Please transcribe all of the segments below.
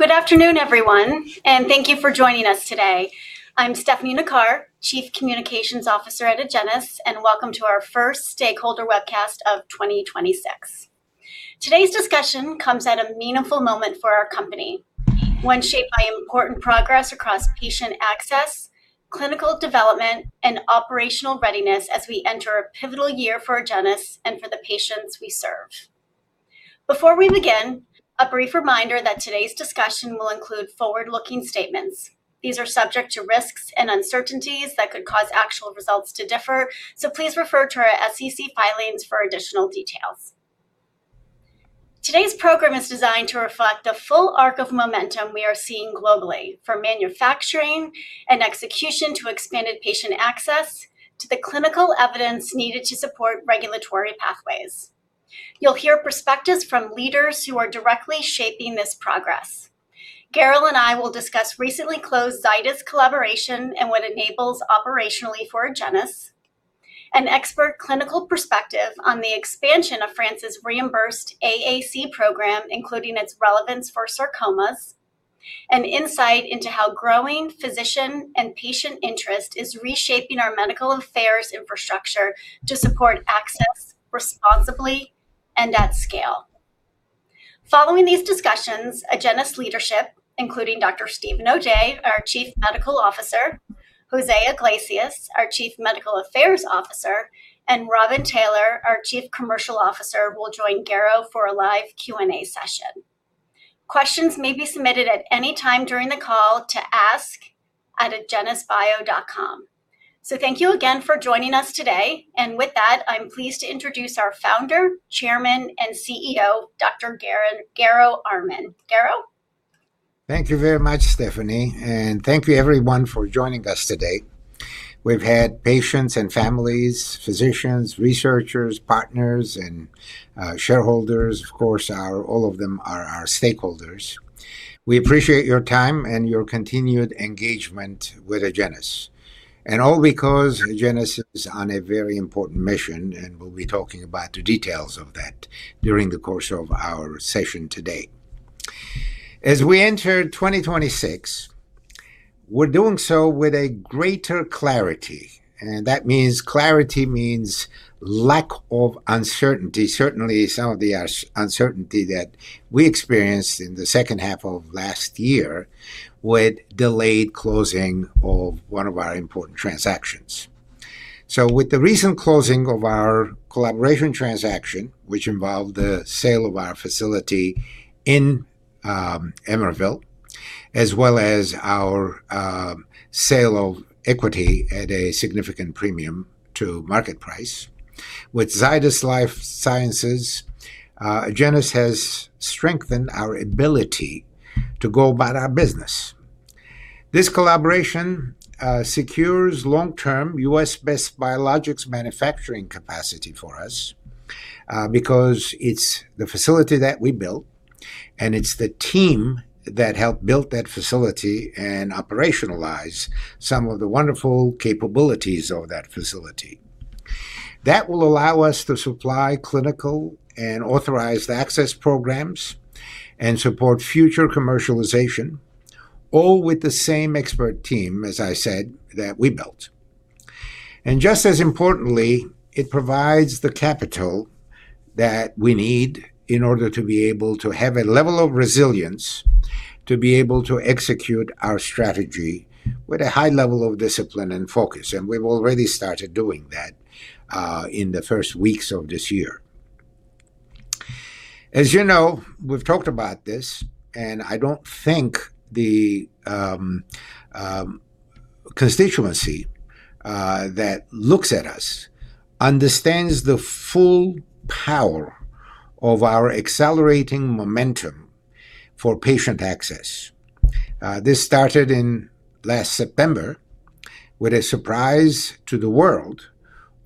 Good afternoon, everyone, and thank you for joining us today. I'm Stefanie Perna-Nacar, Chief Communications Officer at Agenus, and welcome to our first stakeholder webcast of 2026. Today's discussion comes at a meaningful moment for our company, one shaped by important progress across patient access, clinical development, and operational readiness as we enter a pivotal year for Agenus and for the patients we serve. Before we begin, a brief reminder that today's discussion will include forward-looking statements. These are subject to risks and uncertainties that could cause actual results to differ, so please refer to our SEC filings for additional details. Today's program is designed to reflect the full arc of momentum we are seeing globally, from manufacturing and execution to expanded patient access, to the clinical evidence needed to support regulatory pathways. You'll hear perspectives from leaders who are directly shaping this progress. Garo and I will discuss recently closed Zydus collaboration and what it enables operationally for Agenus. An expert clinical perspective on the expansion of France's reimbursed AAC program, including its relevance for sarcomas. An insight into how growing physician and patient interest is reshaping our medical affairs infrastructure to support access responsibly and at scale. Following these discussions, Agenus leadership, including Dr. Steven O'Day, our Chief Medical Officer, Jose Iglesias, our Chief Medical Affairs Officer, and Robin Taylor, our Chief Commercial Officer, will join Garo for a live Q&A session. Questions may be submitted at any time during the call to ask@agenusbio.com. So thank you again for joining us today, and with that, I'm pleased to introduce our founder, chairman, and CEO, Dr. Garo Armen. Garo? Thank you very much, Stefanie, and thank you everyone for joining us today. We've had patients and families, physicians, researchers, partners, and shareholders, of course, all of them are our stakeholders. We appreciate your time and your continued engagement with Agenus. And all because Agenus is on a very important mission, and we'll be talking about the details of that during the course of our session today. As we enter 2026, we're doing so with a greater clarity, and that means, clarity means lack of uncertainty. Certainly, some of the uncertainty that we experienced in the second half of last year with delayed closing of one of our important transactions. So with the recent closing of our collaboration transaction, which involved the sale of our facility in Emeryville, as well as our sale of equity at a significant premium to market price. With Zydus Lifesciences, Agenus has strengthened our ability to go about our business. This collaboration secures long-term US-based biologics manufacturing capacity for us, because it's the facility that we built, and it's the team that helped build that facility and operationalize some of the wonderful capabilities of that facility. That will allow us to supply clinical and authorized access programs and support future commercialization, all with the same expert team, as I said, that we built. Just as importantly, it provides the capital that we need in order to be able to have a level of resilience, to be able to execute our strategy with a high level of discipline and focus, and we've already started doing that in the first weeks of this year. As you know, we've talked about this, and I don't think the constituency that looks at us understands the full power of our accelerating momentum for patient access. This started in last September with a surprise to the world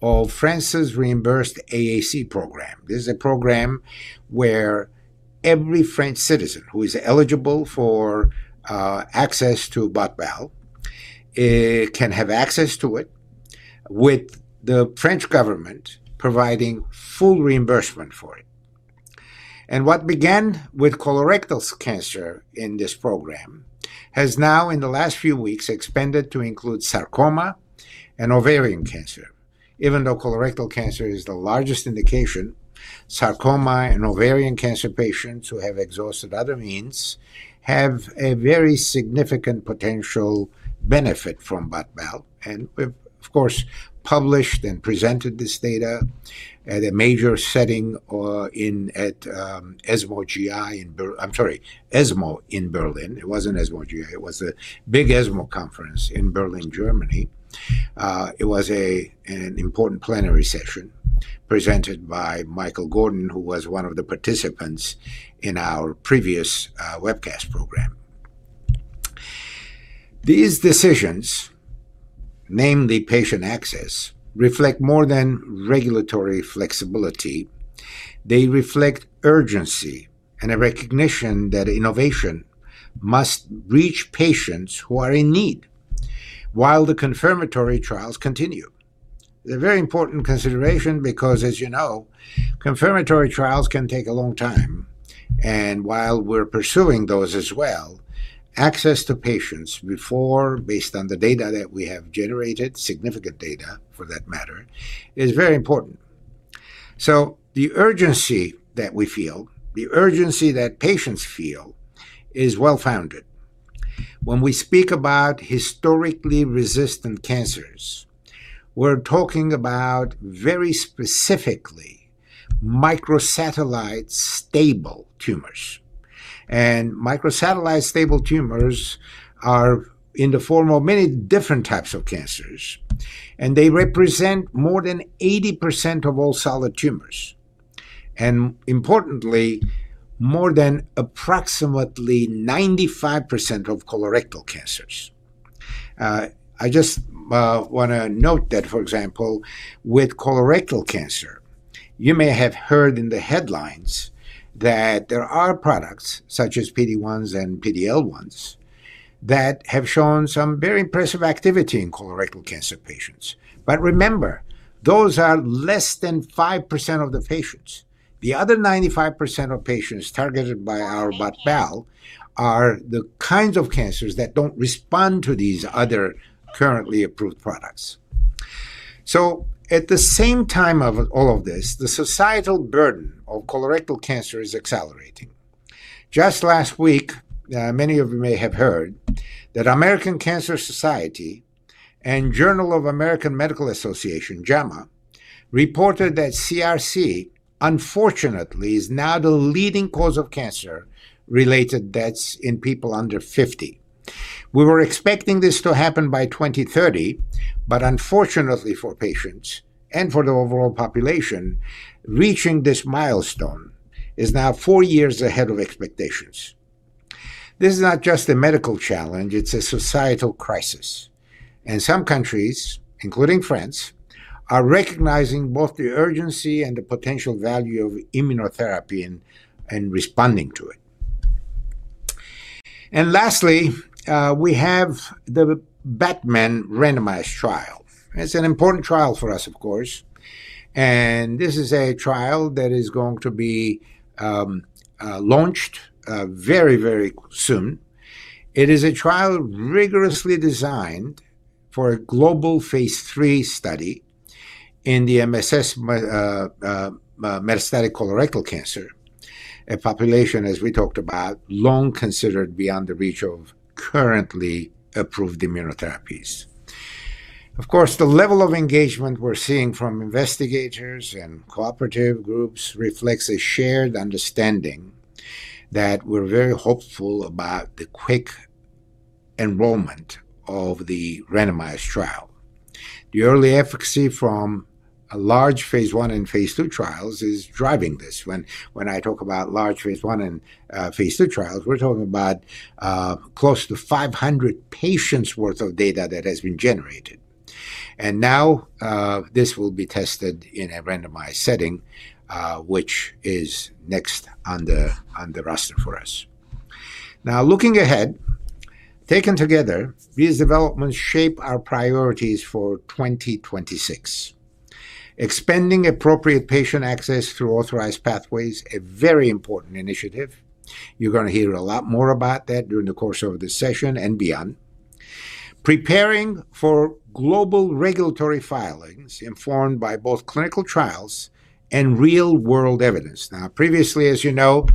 of France's reimbursed AAC program. This is a program where every French citizen who is eligible for access to BOT/BAL can have access to it, with the French government providing full reimbursement for it. And what began with colorectal cancer in this program has now, in the last few weeks, expanded to include sarcoma and ovarian cancer. Even though colorectal cancer is the largest indication, sarcoma and ovarian cancer patients who have exhausted other means have a very significant potential benefit from BOT/BAL. And we've, of course, published and presented this data at a major setting or in, at ESMO GI in Ber... I'm sorry, ESMO in Berlin. It wasn't ESMO GI, it was a big ESMO conference in Berlin, Germany. It was an important plenary session presented by Michael Gordon, who was one of the participants in our previous webcast program. These decisions, namely patient access, reflect more than regulatory flexibility. They reflect urgency and a recognition that innovation must reach patients who are in need while the confirmatory trials continue.... They're very important consideration because, as you know, confirmatory trials can take a long time. And while we're pursuing those as well, access to patients before, based on the data that we have generated, significant data for that matter, is very important. So the urgency that we feel, the urgency that patients feel, is well-founded. When we speak about historically resistant cancers, we're talking about very specifically microsatellite stable tumors. Microsatellite stable tumors are in the form of many different types of cancers, and they represent more than 80% of all solid tumors, and importantly, more than approximately 95% of colorectal cancers. I just wanna note that, for example, with colorectal cancer, you may have heard in the headlines that there are products such as PD-1s and PD-L1s, that have shown some very impressive activity in colorectal cancer patients. But remember, those are less than 5% of the patients. The other 95% of patients targeted by our BOT/BAL are the kinds of cancers that don't respond to these other currently approved products. So at the same time of all of this, the societal burden of colorectal cancer is accelerating. Just last week, many of you may have heard that American Cancer Society and Journal of the American Medical Association, JAMA, reported that CRC, unfortunately, is now the leading cause of cancer-related deaths in people under 50. We were expecting this to happen by 2030, but unfortunately for patients and for the overall population, reaching this milestone is now four years ahead of expectations. This is not just a medical challenge, it's a societal crisis, and some countries, including France, are recognizing both the urgency and the potential value of immunotherapy and responding to it. Lastly, we have the BATON randomized trial. It's an important trial for us, of course, and this is a trial that is going to be launched very, very soon. It is a trial rigorously designed for a global phase 3 study in the MSS metastatic colorectal cancer, a population, as we talked about, long considered beyond the reach of currently approved immunotherapies. Of course, the level of engagement we're seeing from investigators and cooperative groups reflects a shared understanding that we're very hopeful about the quick enrollment of the randomized trial. The early efficacy from a large phase 1 and phase 2 trials is driving this. When, when I talk about large phase 1 and phase 2 trials, we're talking about close to 500 patients worth of data that has been generated. And now, this will be tested in a randomized setting, which is next on the roster for us. Now, looking ahead, taken together, these developments shape our priorities for 2026. Expanding appropriate patient access through authorized pathways, a very important initiative. You're gonna hear a lot more about that during the course of this session and beyond. Preparing for global regulatory filings, informed by both clinical trials and real-world evidence. Now, previously, as you know,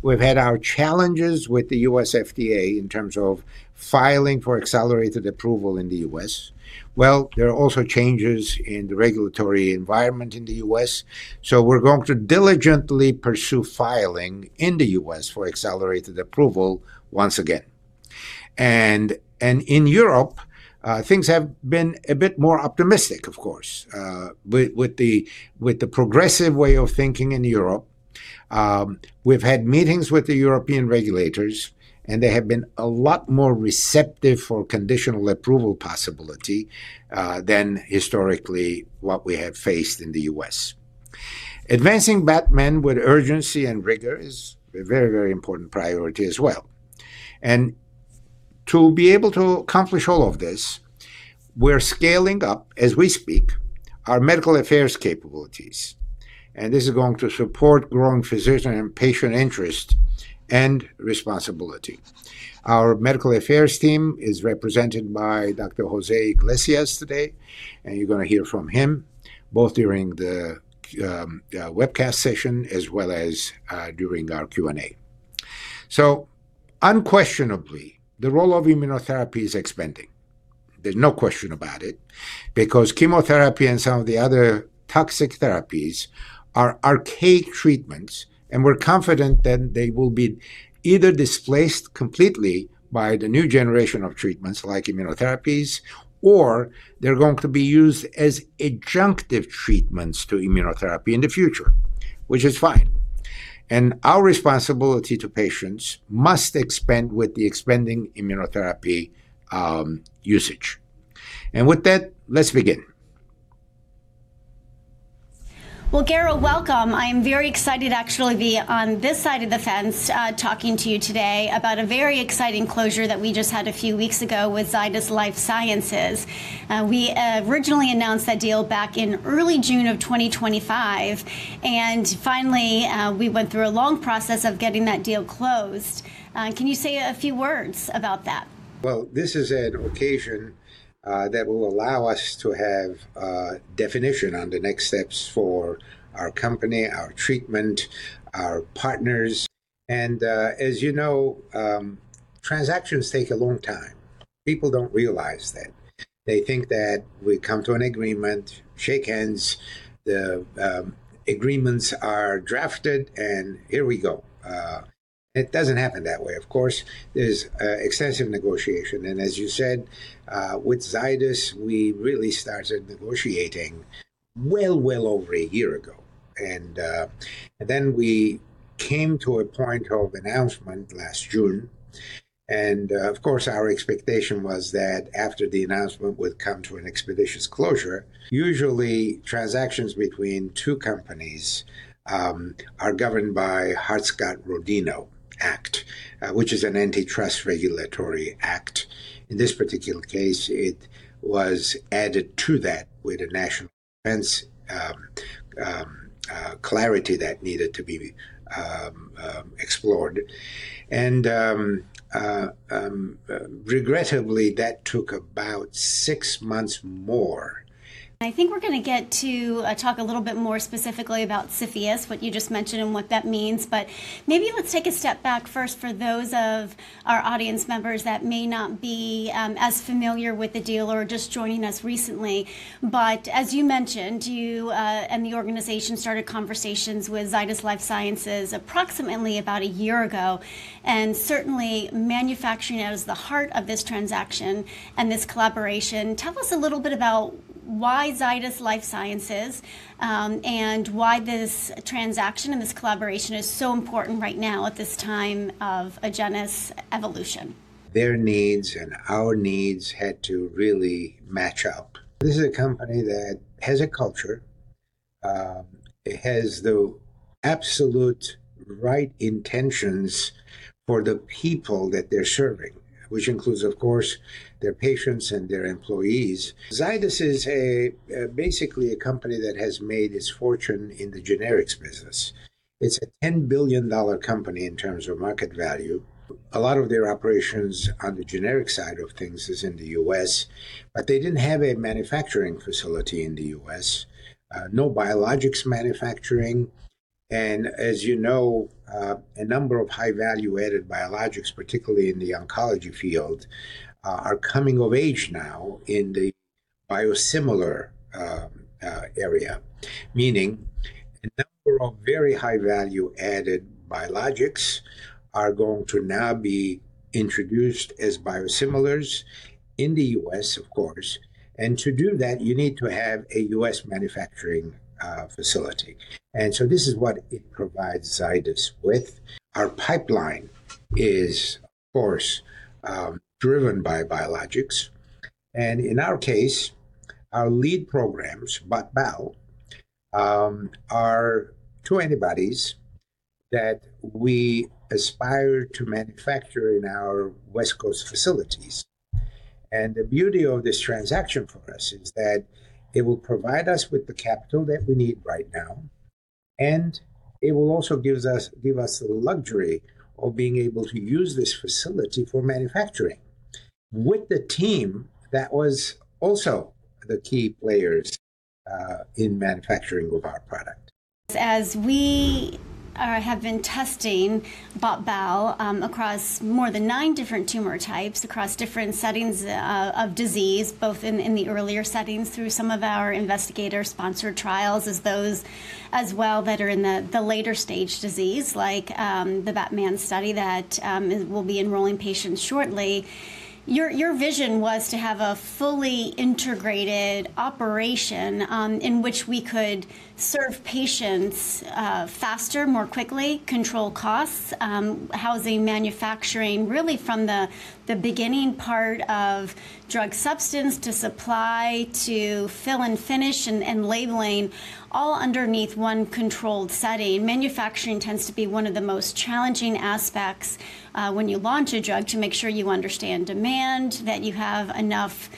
we've had our challenges with the U.S. FDA in terms of filing for accelerated approval in the U.S. Well, there are also changes in the regulatory environment in the U.S., so we're going to diligently pursue filing in the U.S. for accelerated approval once again. And in Europe, things have been a bit more optimistic, of course. With the progressive way of thinking in Europe, we've had meetings with the European regulators, and they have been a lot more receptive for conditional approval possibility than historically what we have faced in the U.S. Advancing BATON with urgency and rigor is a very, very important priority as well. To be able to accomplish all of this, we're scaling up, as we speak, our medical affairs capabilities, and this is going to support growing physician and patient interest and responsibility. Our medical affairs team is represented by Dr. Jose Iglesias today, and you're gonna hear from him both during the webcast session as well as during our Q&A. Unquestionably, the role of immunotherapy is expanding. There's no question about it, because chemotherapy and some of the other toxic therapies are archaic treatments, and we're confident that they will be either displaced completely by the new generation of treatments, like immunotherapies, or they're going to be used as adjunctive treatments to immunotherapy in the future, which is fine. Our responsibility to patients must expand with the expanding immunotherapy usage. With that, let's begin. ... Well, Garo, welcome. I'm very excited actually to be on this side of the fence, talking to you today about a very exciting closure that we just had a few weeks ago with Zydus Lifesciences. We originally announced that deal back in early June of 2025, and finally, we went through a long process of getting that deal closed. Can you say a few words about that? Well, this is an occasion that will allow us to have definition on the next steps for our company, our treatment, our partners, and, as you know, transactions take a long time. People don't realize that. They think that we come to an agreement, shake hands, the agreements are drafted, and here we go. It doesn't happen that way. Of course, there's extensive negotiation, and as you said, with Zydus, we really started negotiating well, well over a year ago, and then we came to a point of announcement last June, and, of course, our expectation was that after the announcement we'd come to an expeditious closure. Usually, transactions between two companies are governed by Hart-Scott-Rodino Act, which is an antitrust regulatory act. In this particular case, it was added to that with a national defense clarity that needed to be explored, and regrettably, that took about six months more. I think we're gonna get to talk a little bit more specifically about CFIUS, what you just mentioned and what that means, but maybe let's take a step back first for those of our audience members that may not be as familiar with the deal or just joining us recently. But as you mentioned, you and the organization started conversations with Zydus Lifesciences approximately about a year ago, and certainly manufacturing is the heart of this transaction and this collaboration. Tell us a little bit about why Zydus Lifesciences and why this transaction and this collaboration is so important right now at this time of Agenus evolution. Their needs and our needs had to really match up. This is a company that has a culture, it has the absolute right intentions for the people that they're serving, which includes, of course, their patients and their employees. Zydus is a, basically a company that has made its fortune in the generics business. It's a $10 billion company in terms of market value. A lot of their operations on the generic side of things is in the U.S., but they didn't have a manufacturing facility in the U.S., no biologics manufacturing, and as you know, a number of high-value added biologics, particularly in the oncology field, are coming of age now in the biosimilar area, meaning a number of very high value-added biologics are going to now be introduced as biosimilars in the U.S., of course, and to do that, you need to have a U.S. manufacturing facility. And so this is what it provides Zydus with. Our pipeline is, of course, driven by biologics, and in our case, our lead programs, BOT/BAL, are two antibodies that we aspire to manufacture in our West Coast facilities. The beauty of this transaction for us is that it will provide us with the capital that we need right now, and it will also give us the luxury of being able to use this facility for manufacturing with the team that was also the key players in manufacturing of our product. As we have been testing BOT/BAL across more than nine different tumor types, across different settings of disease, both in the earlier settings through some of our investigator-sponsored trials, as those as well that are in the later stage disease, like the BATON study that will be enrolling patients shortly. Your vision was to have a fully integrated operation in which we could serve patients faster, more quickly, control costs, housing, manufacturing, really from the beginning part of drug substance to supply, to fill and finish and labeling, all underneath one controlled setting. Manufacturing tends to be one of the most challenging aspects when you launch a drug to make sure you understand demand, that you have enough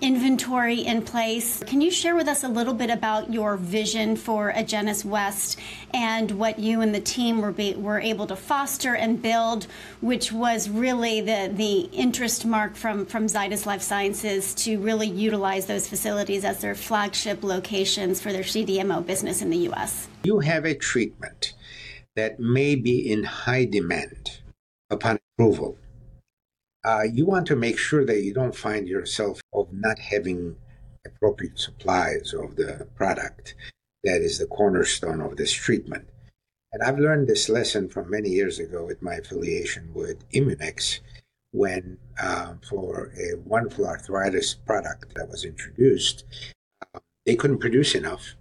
inventory in place. Can you share with us a little bit about your vision for Agenus West and what you and the team were able to foster and build, which was really the interest sparked from Zydus Lifesciences to really utilize those facilities as their flagship locations for their CDMO business in the U.S.? You have a treatment that may be in high demand upon approval. You want to make sure that you don't find yourself of not having appropriate supplies of the product. That is the cornerstone of this treatment. I've learned this lesson from many years ago with my affiliation with Immunex, when, for a wonderful arthritis product that was introduced, they couldn't produce enough,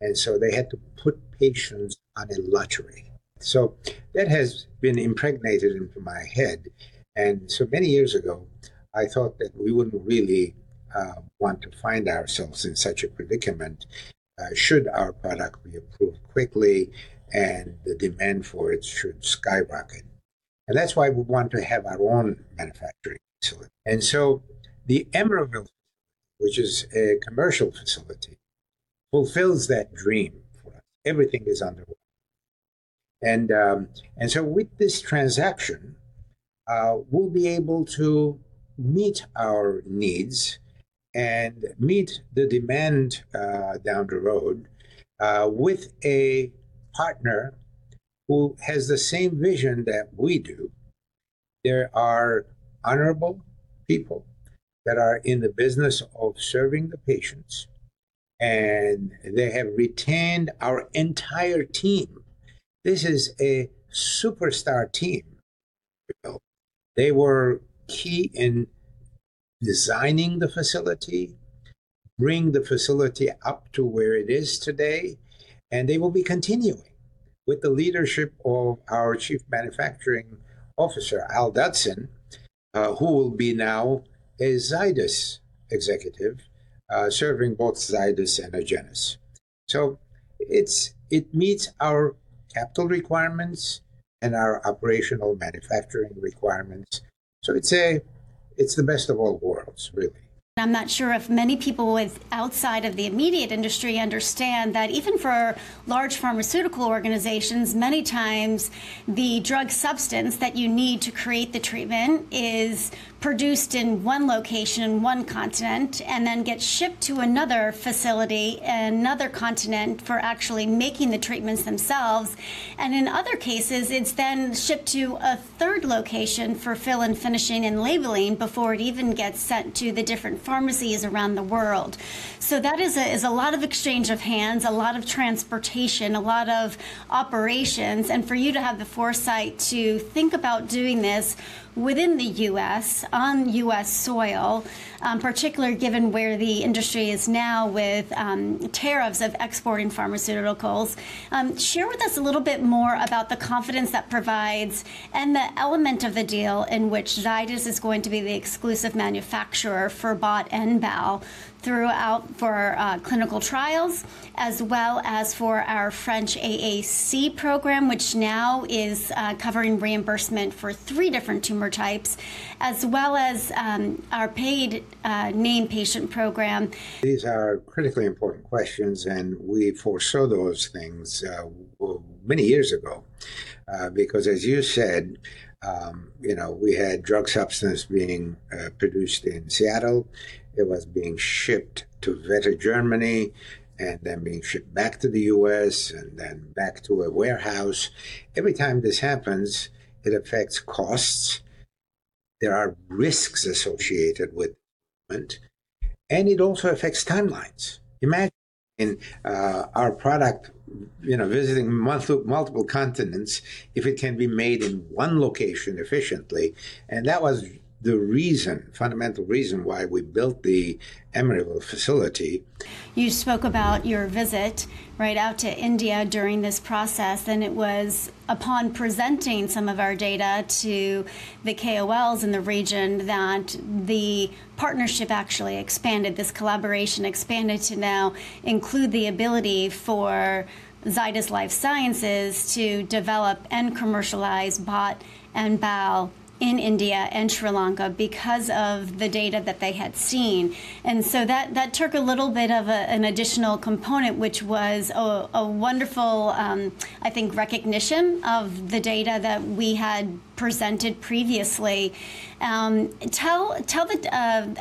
and so they had to put patients on a lottery. So that has been impregnated into my head. Many years ago, I thought that we wouldn't really want to find ourselves in such a predicament, should our product be approved quickly, and the demand for it should skyrocket. That's why we want to have our own manufacturing facility. The Emeryville, which is a commercial facility, fulfills that dream for us. Everything is underway. And so with this transaction, we'll be able to meet our needs and meet the demand down the road with a partner who has the same vision that we do. They are honorable people that are in the business of serving the patients, and they have retained our entire team. This is a superstar team. They were key in designing the facility, bringing the facility up to where it is today, and they will be continuing with the leadership of our Chief Manufacturing Officer, Al Dodson, who will be now a Zydus executive serving both Zydus and Agenus. So it meets our capital requirements and our operational manufacturing requirements. So it's the best of all worlds, really. I'm not sure if many people outside of the immediate industry understand that even for large pharmaceutical organizations, many times the drug substance that you need to create the treatment is produced in one location, in one continent, and then gets shipped to another facility, in another continent for actually making the treatments themselves. In other cases, it's then shipped to a third location for fill and finishing and labeling before it even gets sent to the different pharmacies around the world. That is a lot of exchange of hands, a lot of transportation, a lot of operations. For you to have the foresight to think about doing this within the U.S., on U.S. soil, particularly given where the industry is now with tariffs of exporting pharmaceuticals. Share with us a little bit more about the confidence that provides and the element of the deal in which Zydus is going to be the exclusive manufacturer for BOT and BAL throughout clinical trials, as well as for our French AAC program, which now is covering reimbursement for three different tumor types, as well as our paid named patient program. These are critically important questions, and we foresaw those things many years ago. Because as you said, you know, we had drug substance being produced in Seattle. It was being shipped to Vetter, Germany, and then being shipped back to the U.S., and then back to a warehouse. Every time this happens, it affects costs. There are risks associated with it, and it also affects timelines. Imagine our product, you know, visiting multiple, multiple continents if it can be made in one location efficiently, and that was the reason, fundamental reason why we built the Emeryville facility. You spoke about your visit right out to India during this process, and it was upon presenting some of our data to the KOLs in the region, that the partnership actually expanded. This collaboration expanded to now include the ability for Zydus Lifesciences to develop and commercialize BOT and BAL in India and Sri Lanka because of the data that they had seen. And so that, that took a little bit of a, an additional component, which was a, a wonderful, I think, recognition of the data that we had presented previously. Tell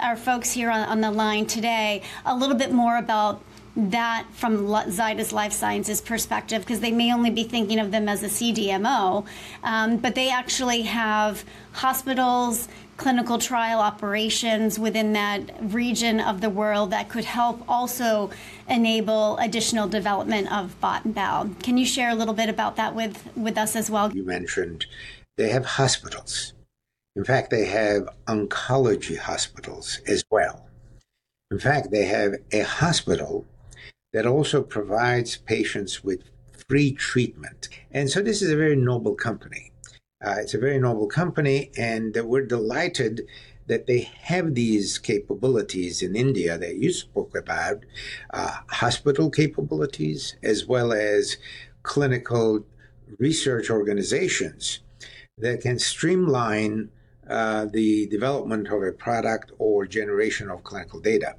our folks here on the line today a little bit more about that from Zydus Lifesciences perspective, 'cause they may only be thinking of them as a CDMO, but they actually have hospitals, clinical trial operations within that region of the world that could help also enable additional development of BOT and BAL. Can you share a little bit about that with us as well? You mentioned they have hospitals. In fact, they have oncology hospitals as well. In fact, they have a hospital that also provides patients with free treatment. And so this is a very noble company. It's a very noble company, and we're delighted that they have these capabilities in India, that you spoke about, hospital capabilities, as well as clinical research organizations that can streamline the development of a product or generation of clinical data.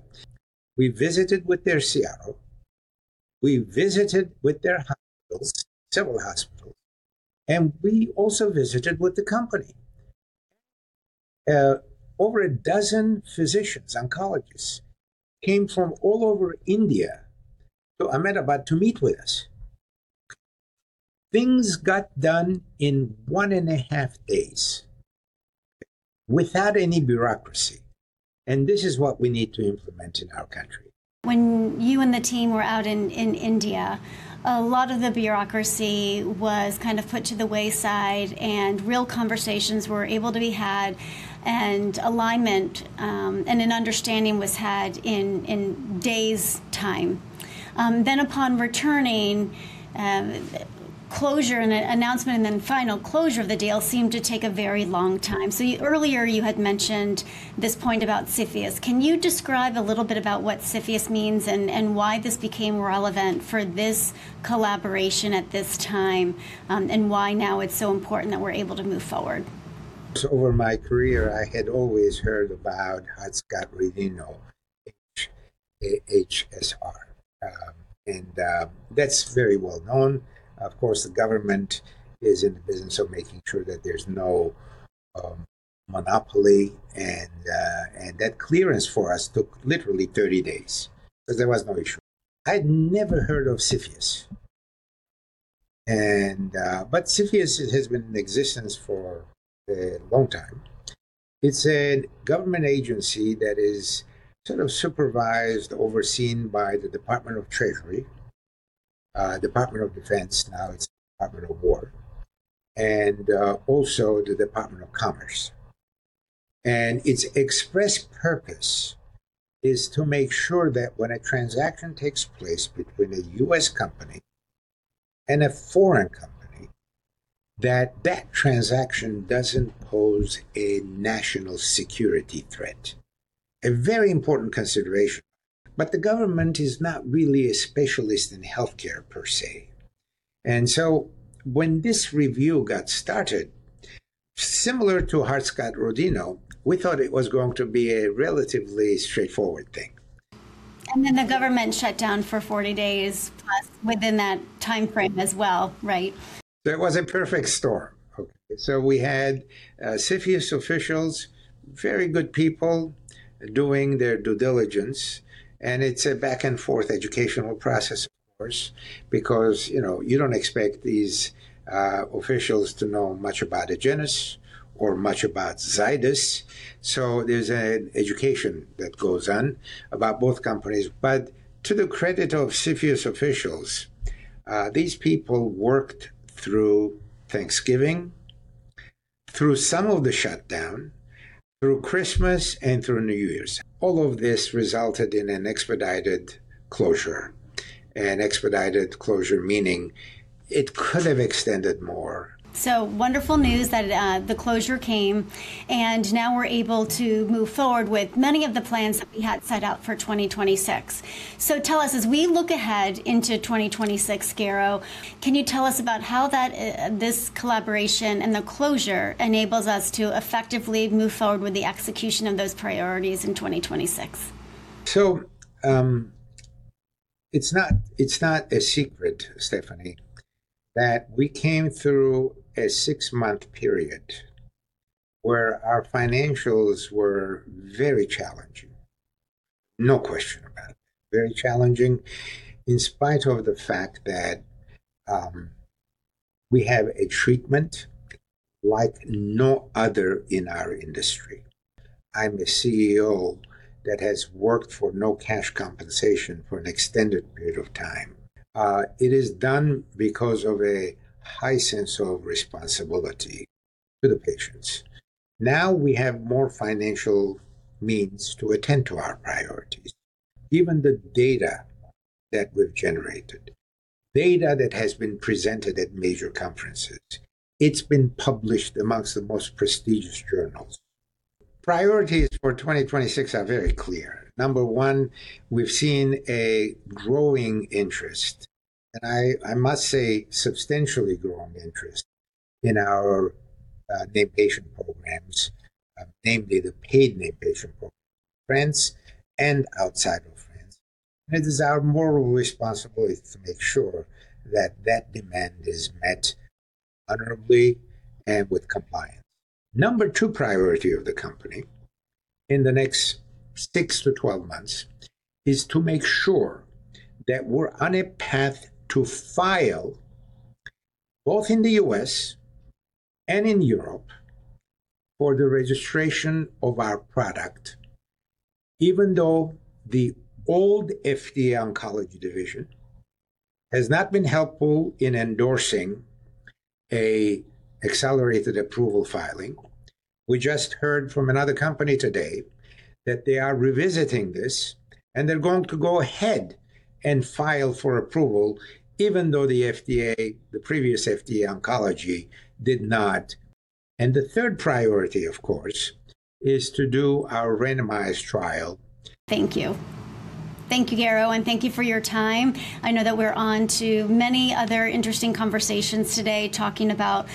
We visited with their CRO, we visited with their hospitals, several hospitals, and we also visited with the company. Over a dozen physicians, oncologists, came from all over India to Ahmedabad to meet with us. Things got done in 1.5 days without any bureaucracy, and this is what we need to implement in our country. When you and the team were out in India, a lot of the bureaucracy was kind of put to the wayside, and real conversations were able to be had, and alignment, and an understanding was had in days' time. Then upon returning, closure and an announcement and then final closure of the deal seemed to take a very long time. So earlier, you had mentioned this point about CFIUS. Can you describe a little bit about what CFIUS means and why this became relevant for this collaboration at this time, and why now it's so important that we're able to move forward? So over my career, I had always heard about Hart-Scott-Rodino, HSR. That's very well known. Of course, the government is in the business of making sure that there's no monopoly, and that clearance for us took literally 30 days because there was no issue. I'd never heard of CFIUS. But CFIUS has been in existence for a long time. It's a government agency that is sort of supervised, overseen by the Department of Treasury, Department of Defense, now it's the Department of War, and also the Department of Commerce. And its express purpose is to make sure that when a transaction takes place between a U.S. company and a foreign company, that that transaction doesn't pose a national security threat, a very important consideration. But the government is not really a specialist in healthcare per se. When this review got started, similar to Hart-Scott-Rodino, we thought it was going to be a relatively straightforward thing. And then the government shut down for 40 days, plus within that timeframe as well, right? That was a perfect storm. Okay, so we had, CFIUS officials, very good people, doing their due diligence, and it's a back-and-forth educational process, of course, because, you know, you don't expect these, officials to know much about Agenus or much about Zydus. So there's an education that goes on about both companies. But to the credit of CFIUS officials, these people worked through Thanksgiving, through some of the shutdown, through Christmas, and through New Year's. All of this resulted in an expedited closure, an expedited closure, meaning it could have extended more. So wonderful news that the closure came, and now we're able to move forward with many of the plans that we had set out for 2026. So tell us, as we look ahead into 2026, Garo, can you tell us about how that this collaboration and the closure enables us to effectively move forward with the execution of those priorities in 2026? It's not, it's not a secret, Stefanie, that we came through a six-month period where our financials were very challenging. No question about it. Very challenging, in spite of the fact that we have a treatment like no other in our industry. I'm a CEO that has worked for no cash compensation for an extended period of time. It is done because of a high sense of responsibility to the patients. Now, we have more financial means to attend to our priorities. Even the data that we've generated, data that has been presented at major conferences, it's been published amongst the most prestigious journals. Priorities for 2026 are very clear. Number one, we've seen a growing interest, and I must say, substantially growing interest in our named patient programs, namely the paid named patient program, France and outside of France. It is our moral responsibility to make sure that that demand is met honorably and with compliance. Number 2 priority of the company in the next 6-12 months is to make sure that we're on a path to file, both in the U.S. and in Europe, for the registration of our product, even though the old FDA Oncology Division has not been helpful in endorsing an Accelerated Approval filing. We just heard from another company today that they are revisiting this, and they're going to go ahead and file for approval, even though the FDA, the previous FDA Oncology, did not. The third priority, of course, is to do our randomized trial. Thank you. Thank you, Garo, and thank you for your time. I know that we're on to many other interesting conversations today, talking about,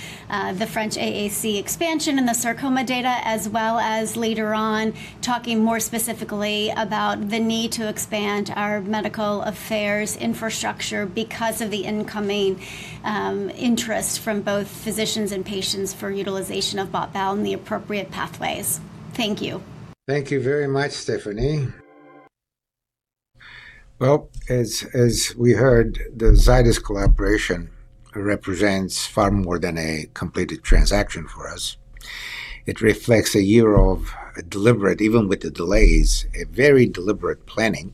the French AAC expansion and the sarcoma data, as well as later on, talking more specifically about the need to expand our medical affairs infrastructure because of the incoming, interest from both physicians and patients for utilization of BOT/BAL in the appropriate pathways. Thank you. Thank you very much, Stephanie. Well, as we heard, the Zydus collaboration represents far more than a completed transaction for us. It reflects a year of deliberate, even with the delays, a very deliberate planning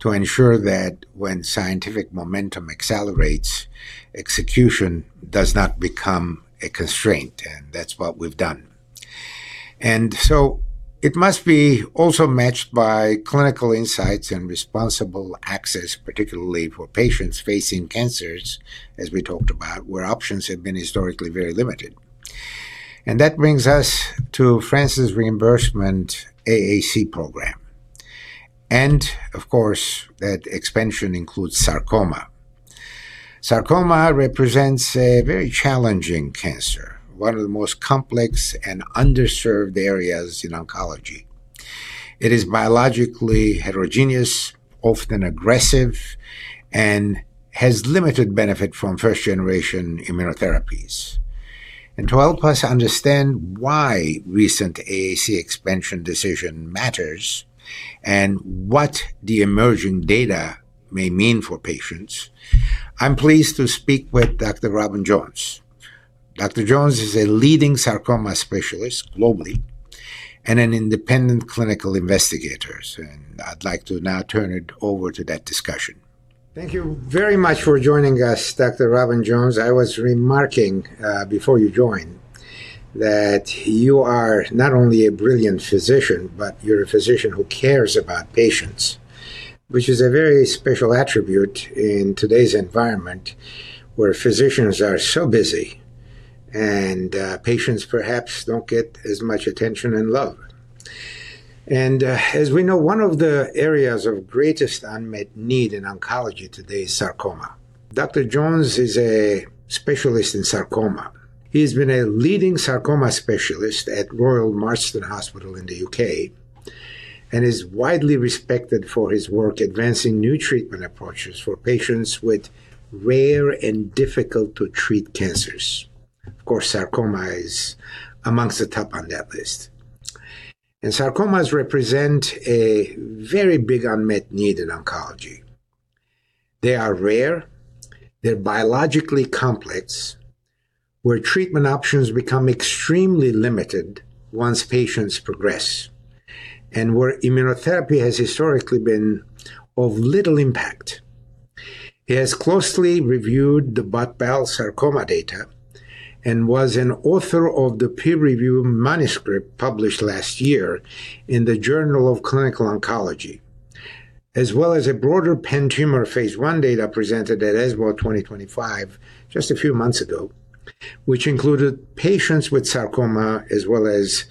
to ensure that when scientific momentum accelerates, execution does not become a constraint, and that's what we've done.... And so it must be also matched by clinical insights and responsible access, particularly for patients facing cancers, as we talked about, where options have been historically very limited. And that brings us to France's reimbursement AAC program. And, of course, that expansion includes sarcoma. Sarcoma represents a very challenging cancer, one of the most complex and underserved areas in oncology. It is biologically heterogeneous, often aggressive, and has limited benefit from first-generation immunotherapies. To help us understand why recent AAC expansion decision matters and what the emerging data may mean for patients, I'm pleased to speak with Dr. Robin Jones. Dr. Jones is a leading sarcoma specialist globally and an independent clinical investigator, and I'd like to now turn it over to that discussion. Thank you very much for joining us, Dr. Robin Jones. I was remarking before you joined that you are not only a brilliant physician, but you're a physician who cares about patients, which is a very special attribute in today's environment, where physicians are so busy, and patients perhaps don't get as much attention and love. As we know, one of the areas of greatest unmet need in oncology today is sarcoma. Dr. Jones is a specialist in sarcoma. He's been a leading sarcoma specialist at Royal Marsden Hospital in the UK and is widely respected for his work advancing new treatment approaches for patients with rare and difficult-to-treat cancers. Of course, sarcoma is among the top on that list. Sarcomas represent a very big unmet need in oncology. They are rare. They're biologically complex, where treatment options become extremely limited once patients progress, and where immunotherapy has historically been of little impact. He has closely reviewed the BOT/BAL sarcoma data and was an author of the peer-reviewed manuscript published last year in the Journal of Clinical Oncology, as well as a broader pan-tumor phase I data presented at ESMO 2025, just a few months ago, which included patients with sarcoma as well as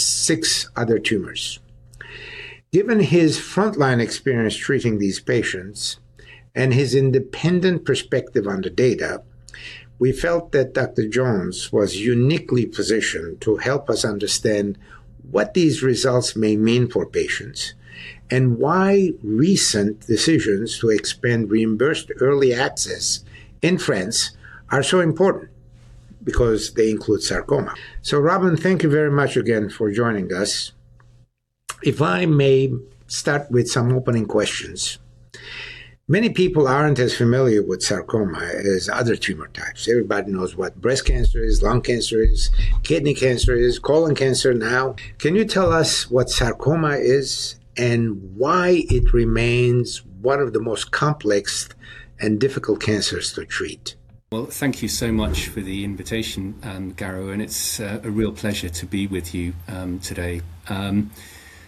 six other tumors. Given his frontline experience treating these patients and his independent perspective on the data, we felt that Dr. Jones was uniquely positioned to help us understand what these results may mean for patients and why recent decisions to expand reimbursed early access in France are so important, because they include sarcoma. So, Robin, thank you very much again for joining us. If I may start with some opening questions. Many people aren't as familiar with sarcoma as other tumor types. Everybody knows what breast cancer is, lung cancer is, kidney cancer is, colon cancer now. Can you tell us what sarcoma is and why it remains one of the most complex and difficult cancers to treat? Well, thank you so much for the invitation, Garo, and it's a real pleasure to be with you today.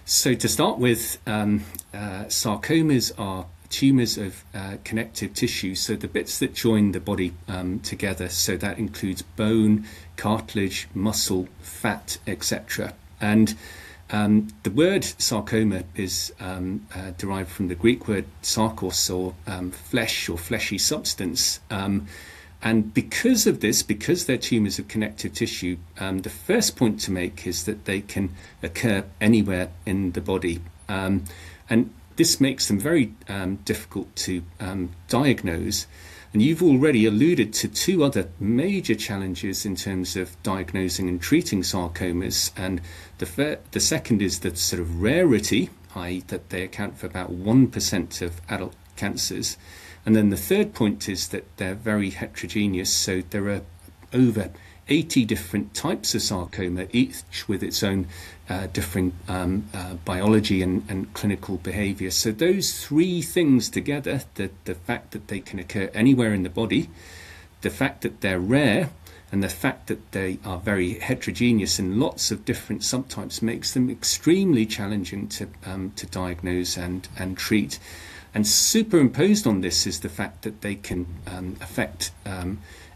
So to start with, sarcomas are tumors of connective tissue, so the bits that join the body together. So that includes bone, cartilage, muscle, fat, et cetera. And the word sarcoma is derived from the Greek word sarkos or flesh or fleshy substance. And because of this, because they're tumors of connective tissue, the first point to make is that they can occur anywhere in the body. And this makes them very difficult to diagnose. And you've already alluded to two other major challenges in terms of diagnosing and treating sarcomas, and the second is the sort of rarity, i.e., that they account for about 1% of adult cancers. And then the third point is that they're very heterogeneous, so there are over 80 different types of sarcoma, each with its own different biology and clinical behavior. So those three things together, the fact that they can occur anywhere in the body, the fact that they're rare, and the fact that they are very heterogeneous in lots of different subtypes, makes them extremely challenging to diagnose and treat. And superimposed on this is the fact that they can affect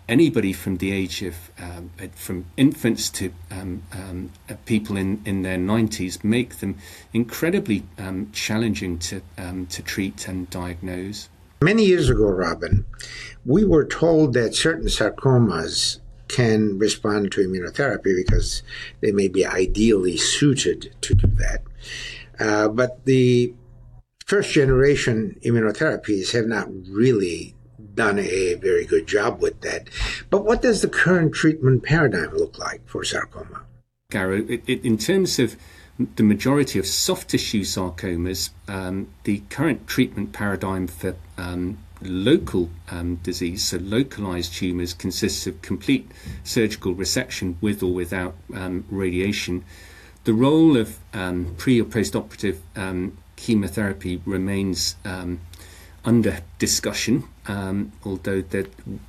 anybody from infants to people in their 90s, make them incredibly challenging to treat and diagnose. Many years ago, Robin, we were told that certain sarcomas can respond to immunotherapy because they may be ideally suited to do that. The first-generation immunotherapies have not really done a very good job with that. What does the current treatment paradigm look like for sarcoma?... Garo, in terms of the majority of soft tissue sarcomas, the current treatment paradigm for local disease, so localized tumors, consists of complete surgical resection with or without radiation. The role of pre or postoperative chemotherapy remains under discussion, although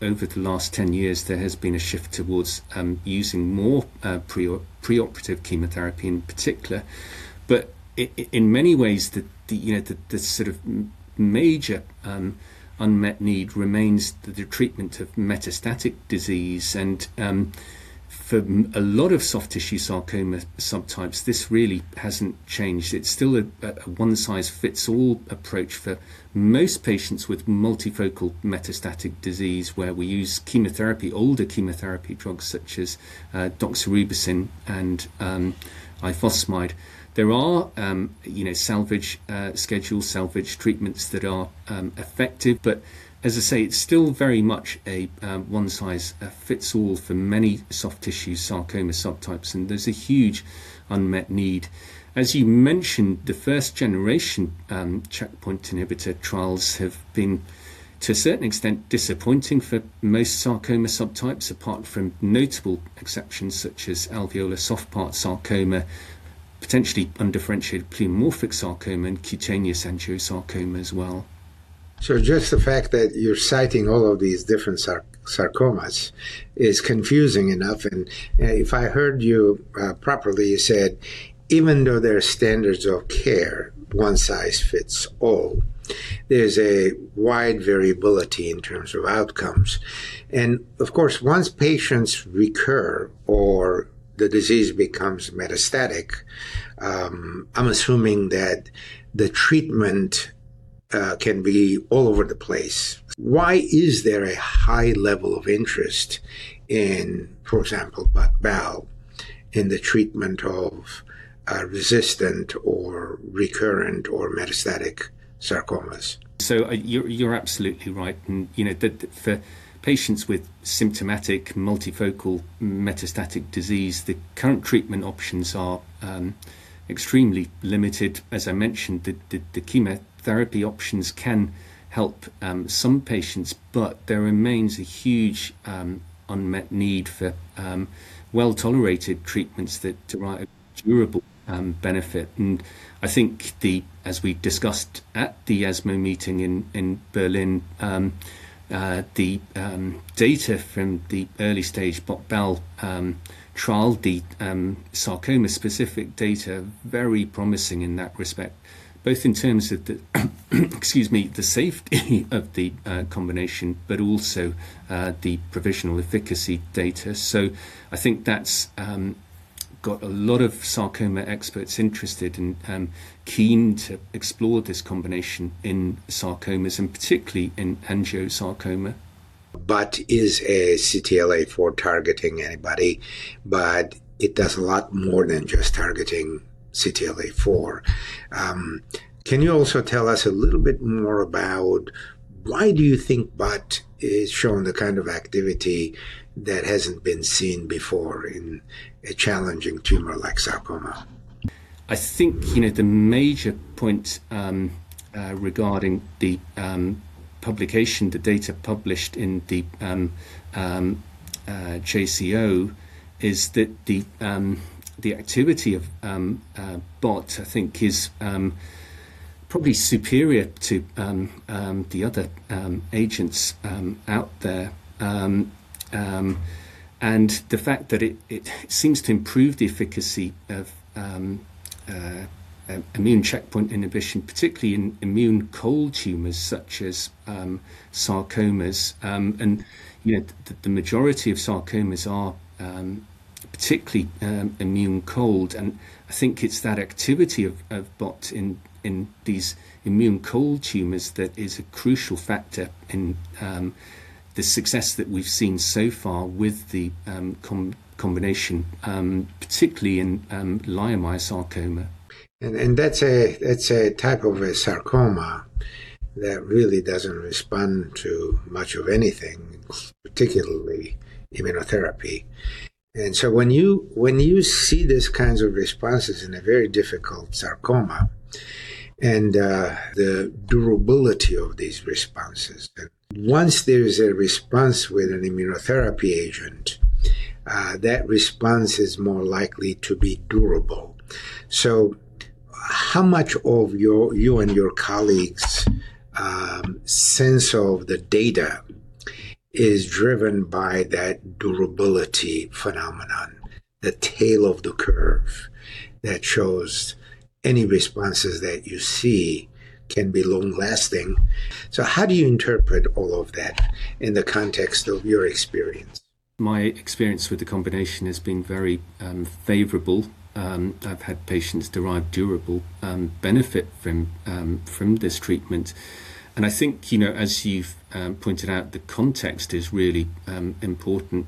over the last 10 years, there has been a shift towards using more preoperative chemotherapy in particular. But in many ways, you know, the sort of major unmet need remains the treatment of metastatic disease, and for a lot of soft tissue sarcoma subtypes, this really hasn't changed. It's still a one-size-fits-all approach for most patients with multifocal metastatic disease, where we use chemotherapy, older chemotherapy drugs such as doxorubicin and ifosfamide. There are, you know, salvage schedules, salvage treatments that are, effective, but as I say, it's still very much a, one-size-fits-all for many soft tissue sarcoma subtypes, and there's a huge unmet need. As you mentioned, the first generation, checkpoint inhibitor trials have been, to a certain extent, disappointing for most sarcoma subtypes, apart from notable exceptions such as alveolar soft part sarcoma, potentially undifferentiated pleomorphic sarcoma and cutaneous angiosarcoma as well. So just the fact that you're citing all of these different sarcomas is confusing enough, and if I heard you properly, you said, even though there are standards of care, one size fits all. There's a wide variability in terms of outcomes, and of course, once patients recur or the disease becomes metastatic, I'm assuming that the treatment can be all over the place. Why is there a high level of interest in, for example, BOT/BAL, in the treatment of resistant or recurrent or metastatic sarcomas? So you're, you're absolutely right. And, you know, the-- for patients with symptomatic multifocal metastatic disease, the current treatment options are extremely limited. As I mentioned, the chemotherapy options can help some patients, but there remains a huge unmet need for well-tolerated treatments that derive durable benefit. And I think the as we discussed at the ESMO meeting in Berlin, the data from the early stage BOT/BAL trial, the sarcoma-specific data, very promising in that respect, both in terms of the, excuse me, the safety of the combination, but also the provisional efficacy data. So I think that's got a lot of sarcoma experts interested and keen to explore this combination in sarcomas and particularly in angiosarcoma. But is a CTLA-4 targeting antibody, but it does a lot more than just targeting CTLA-4. Can you also tell us a little bit more about why do you think BOT is showing the kind of activity that hasn't been seen before in a challenging tumor like sarcoma? I think, you know, the major point regarding the publication, the data published in the JCO, is that the activity of BOT, I think, is probably superior to the other agents out there. And the fact that it seems to improve the efficacy of immune checkpoint inhibition, particularly in immune-cold tumors such as sarcomas. And, you know, the majority of sarcomas are particularly immune cold, and I think it's that activity of BOT in these immune cold tumors that is a crucial factor in the success that we've seen so far with the combination, particularly in leiomyosarcoma. That's a type of a sarcoma that really doesn't respond to much of anything, particularly immunotherapy. So when you see these kinds of responses in a very difficult sarcoma and the durability of these responses, that once there is a response with an immunotherapy agent, that response is more likely to be durable. So how much of you and your colleagues' sense of the data is driven by that durability phenomenon, the tail of the curve that shows any responses that you see can be long lasting? So how do you interpret all of that in the context of your experience? My experience with the combination has been very favorable. I've had patients derive durable benefit from this treatment, and I think, you know, as you've pointed out, the context is really important.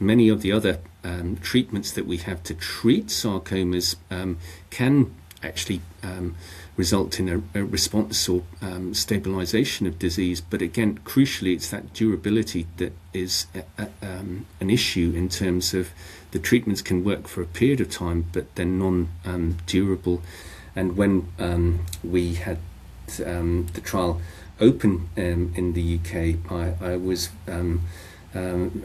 Many of the other treatments that we have to treat sarcomas can actually result in a response or stabilization of disease. But again, crucially, it's that durability that is an issue in terms of the treatments can work for a period of time, but they're non durable. And when we had the trial open in the UK, I was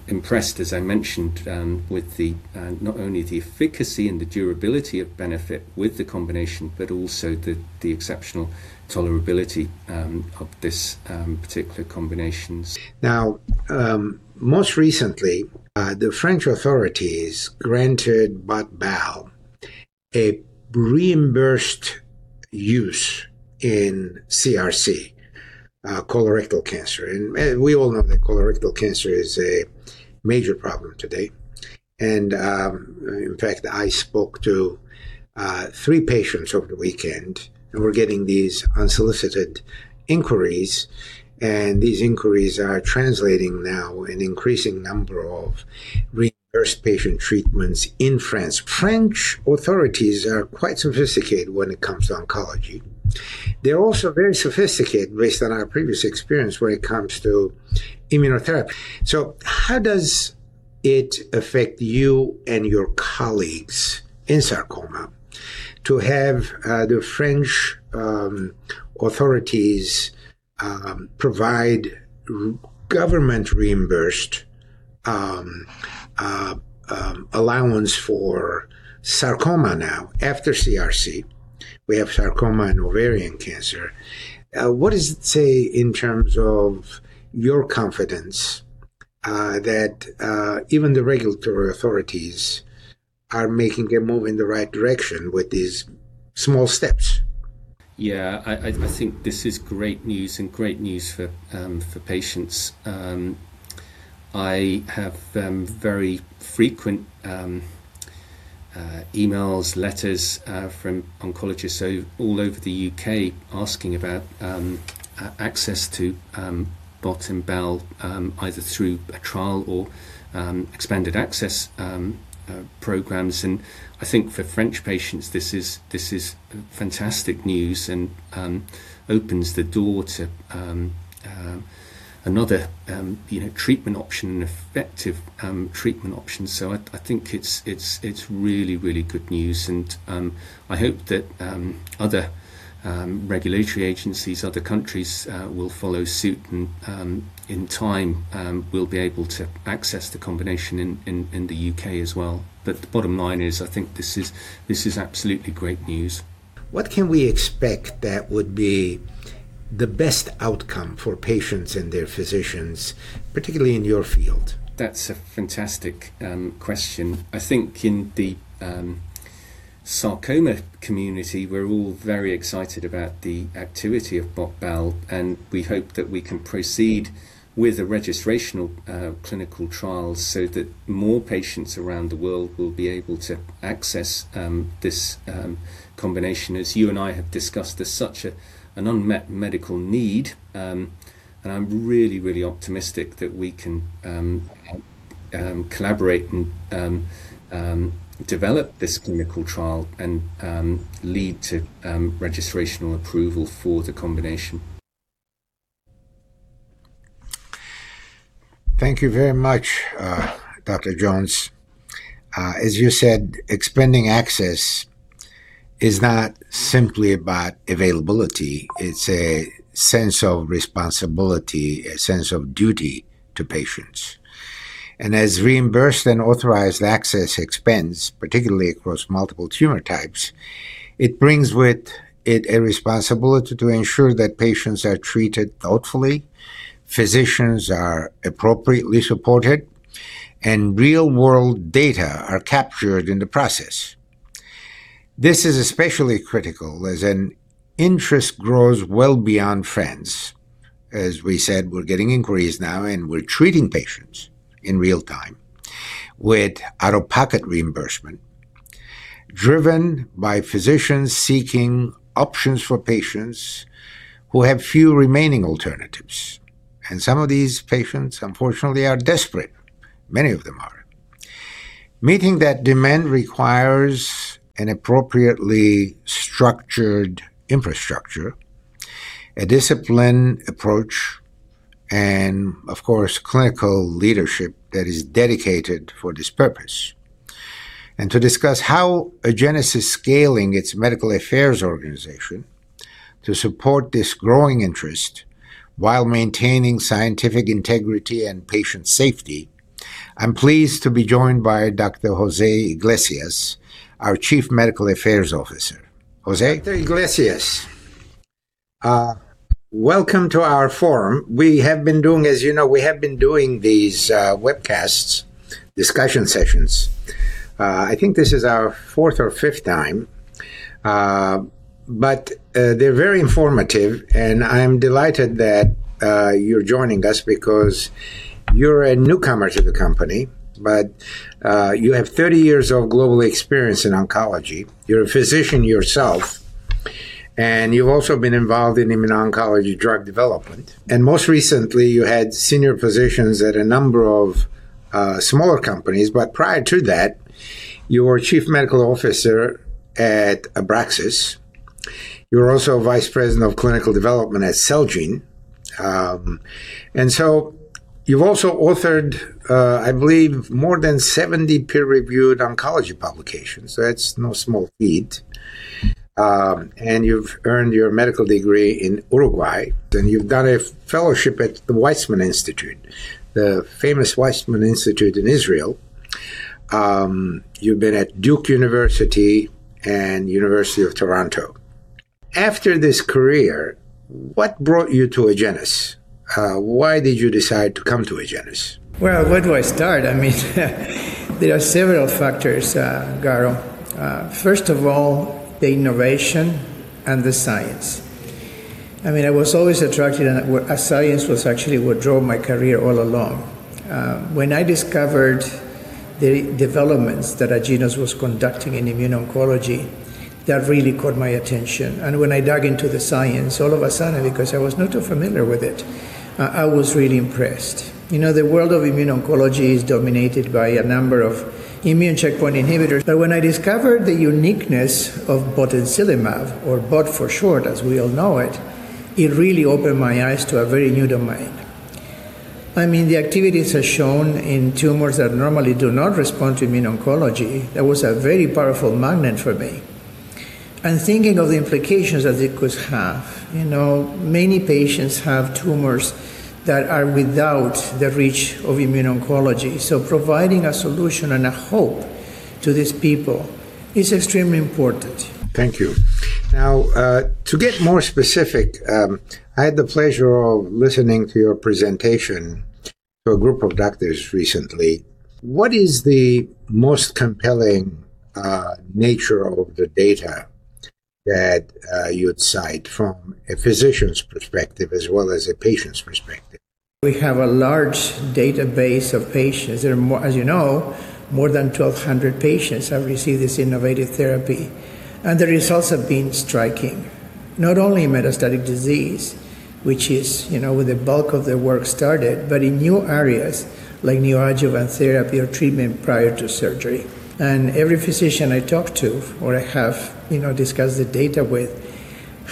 impressed, as I mentioned, with the not only the efficacy and the durability of benefit with the combination, but also the exceptional tolerability of this particular combinations. Now, most recently, the French authorities granted BOT/BAL a reimbursed use in CRC, colorectal cancer. We all know that colorectal cancer is a major problem today. In fact, I spoke to three patients over the weekend, and we're getting these unsolicited inquiries, and these inquiries are translating now into an increasing number of reimbursed patient treatments in France. French authorities are quite sophisticated when it comes to oncology. They're also very sophisticated, based on our previous experience, when it comes to immunotherapy. So how does it affect you and your colleagues in sarcoma to have the French authorities provide government reimbursed allowance for sarcoma now, after CRC? We have sarcoma and ovarian cancer. What does it say in terms of your confidence that even the regulatory authorities are making a move in the right direction with these small steps? Yeah, I think this is great news and great news for patients. I have very frequent emails, letters from oncologists all over the U.K. asking about access to BOT and BAL, either through a trial or expanded access programs. And I think for French patients, this is fantastic news and opens the door to another, you know, treatment option, an effective treatment option. So I think it's really good news, and I hope that other regulatory agencies, other countries will follow suit, and in time, we'll be able to access the combination in the U.K. as well. But the bottom line is, I think this is absolutely great news. What can we expect that would be the best outcome for patients and their physicians, particularly in your field? That's a fantastic question. I think in the sarcoma community, we're all very excited about the activity of BOT/BAL, and we hope that we can proceed with the registrational clinical trials so that more patients around the world will be able to access this combination. As you and I have discussed, there's such an unmet medical need, and I'm really really optimistic that we can collaborate and develop this clinical trial and lead to registrational approval for the combination. Thank you very much, Dr. Jones. As you said, expanding access is not simply about availability. It's a sense of responsibility, a sense of duty to patients. And as reimbursed and authorized access expands, particularly across multiple tumor types, it brings with it a responsibility to ensure that patients are treated thoughtfully, physicians are appropriately supported, and real-world data are captured in the process. This is especially critical as an interest grows well beyond France. As we said, we're getting inquiries now, and we're treating patients in real time with out-of-pocket reimbursement, driven by physicians seeking options for patients who have few remaining alternatives, and some of these patients, unfortunately, are desperate. Many of them are. Meeting that demand requires an appropriately structured infrastructure, a disciplined approach, and of course, clinical leadership that is dedicated for this purpose. To discuss how Agenus is scaling its medical affairs organization to support this growing interest while maintaining scientific integrity and patient safety, I'm pleased to be joined by Dr. Jose Iglesias, our Chief Medical Affairs Officer. Jose? Dr. Iglesias, welcome to our forum. We have been doing. As you know, we have been doing these webcasts, discussion sessions. I think this is our fourth or fifth time. But they're very informative, and I am delighted that you're joining us because you're a newcomer to the company, but you have 30 years of global experience in oncology. You're a physician yourself, and you've also been involved in immuno-oncology drug development. And most recently, you had senior positions at a number of smaller companies, but prior to that, you were Chief Medical Officer at Abraxis. You were also Vice President of Clinical Development at Celgene. You've also authored, I believe, more than 70 peer-reviewed oncology publications. So that's no small feat. And you've earned your medical degree in Uruguay, then you've done a fellowship at the Weizmann Institute, the famous Weizmann Institute in Israel. You've been at Duke University and University of Toronto. After this career, what brought you to Agenus? Why did you decide to come to Agenus? Well, where do I start? I mean, there are several factors, Garo. First of all, the innovation and the science. I mean, I was always attracted, and science was actually what drove my career all along. When I discovered the developments that Agenus was conducting in immune oncology, that really caught my attention. And when I dug into the science, all of a sudden, because I was not too familiar with it, I was really impressed. You know, the world of immune oncology is dominated by a number of immune checkpoint inhibitors. But when I discovered the uniqueness of botensilimab, or bot for short, as we all know it, it really opened my eyes to a very new domain. I mean, the activities are shown in tumors that normally do not respond to immune oncology. That was a very powerful magnet for me. Thinking of the implications that it could have, you know, many patients have tumors that are without the reach of immune oncology, so providing a solution and a hope to these people is extremely important. Thank you. Now, to get more specific, I had the pleasure of listening to your presentation to a group of doctors recently. What is the most compelling nature of the data that you'd cite from a physician's perspective as well as a patient's perspective? We have a large database of patients. There are more, as you know, more than 1,200 patients have received this innovative therapy, and the results have been striking, not only in metastatic disease, which is, you know, where the bulk of the work started, but in new areas like neoadjuvant therapy or treatment prior to surgery. And every physician I talk to or I have, you know, discussed the data with,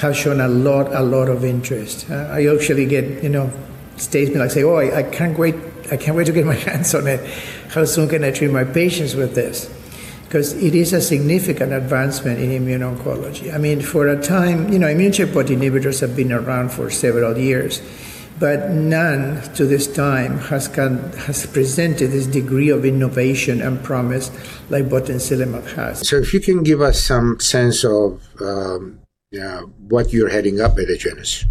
have shown a lot, a lot of interest. I usually get, you know, statement like say, "Oh, I, I can't wait, I can't wait to get my hands on it. How soon can I treat my patients with this?" 'Cause it is a significant advancement in immune oncology. I mean, for a time... You know, immune checkpoint inhibitors have been around for several years, but none, to this time, has presented this degree of innovation and promise like botensilimab has. So if you can give us some sense of what you're heading up at Agenus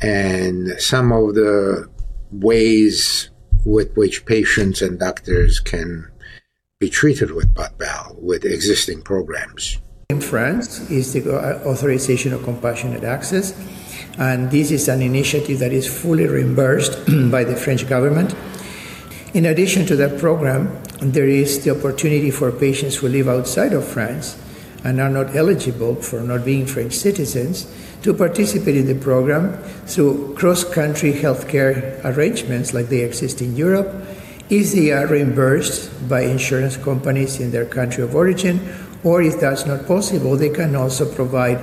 and some of the ways with which patients and doctors can be treated with BOT/BAL, with existing programs. In France, is the authorization of compassionate access, and this is an initiative that is fully reimbursed by the French government. In addition to that program, there is the opportunity for patients who live outside of France and are not eligible, for not being French citizens, to participate in the program through cross-country healthcare arrangements like they exist in Europe, if they are reimbursed by insurance companies in their country of origin, or if that's not possible, they can also provide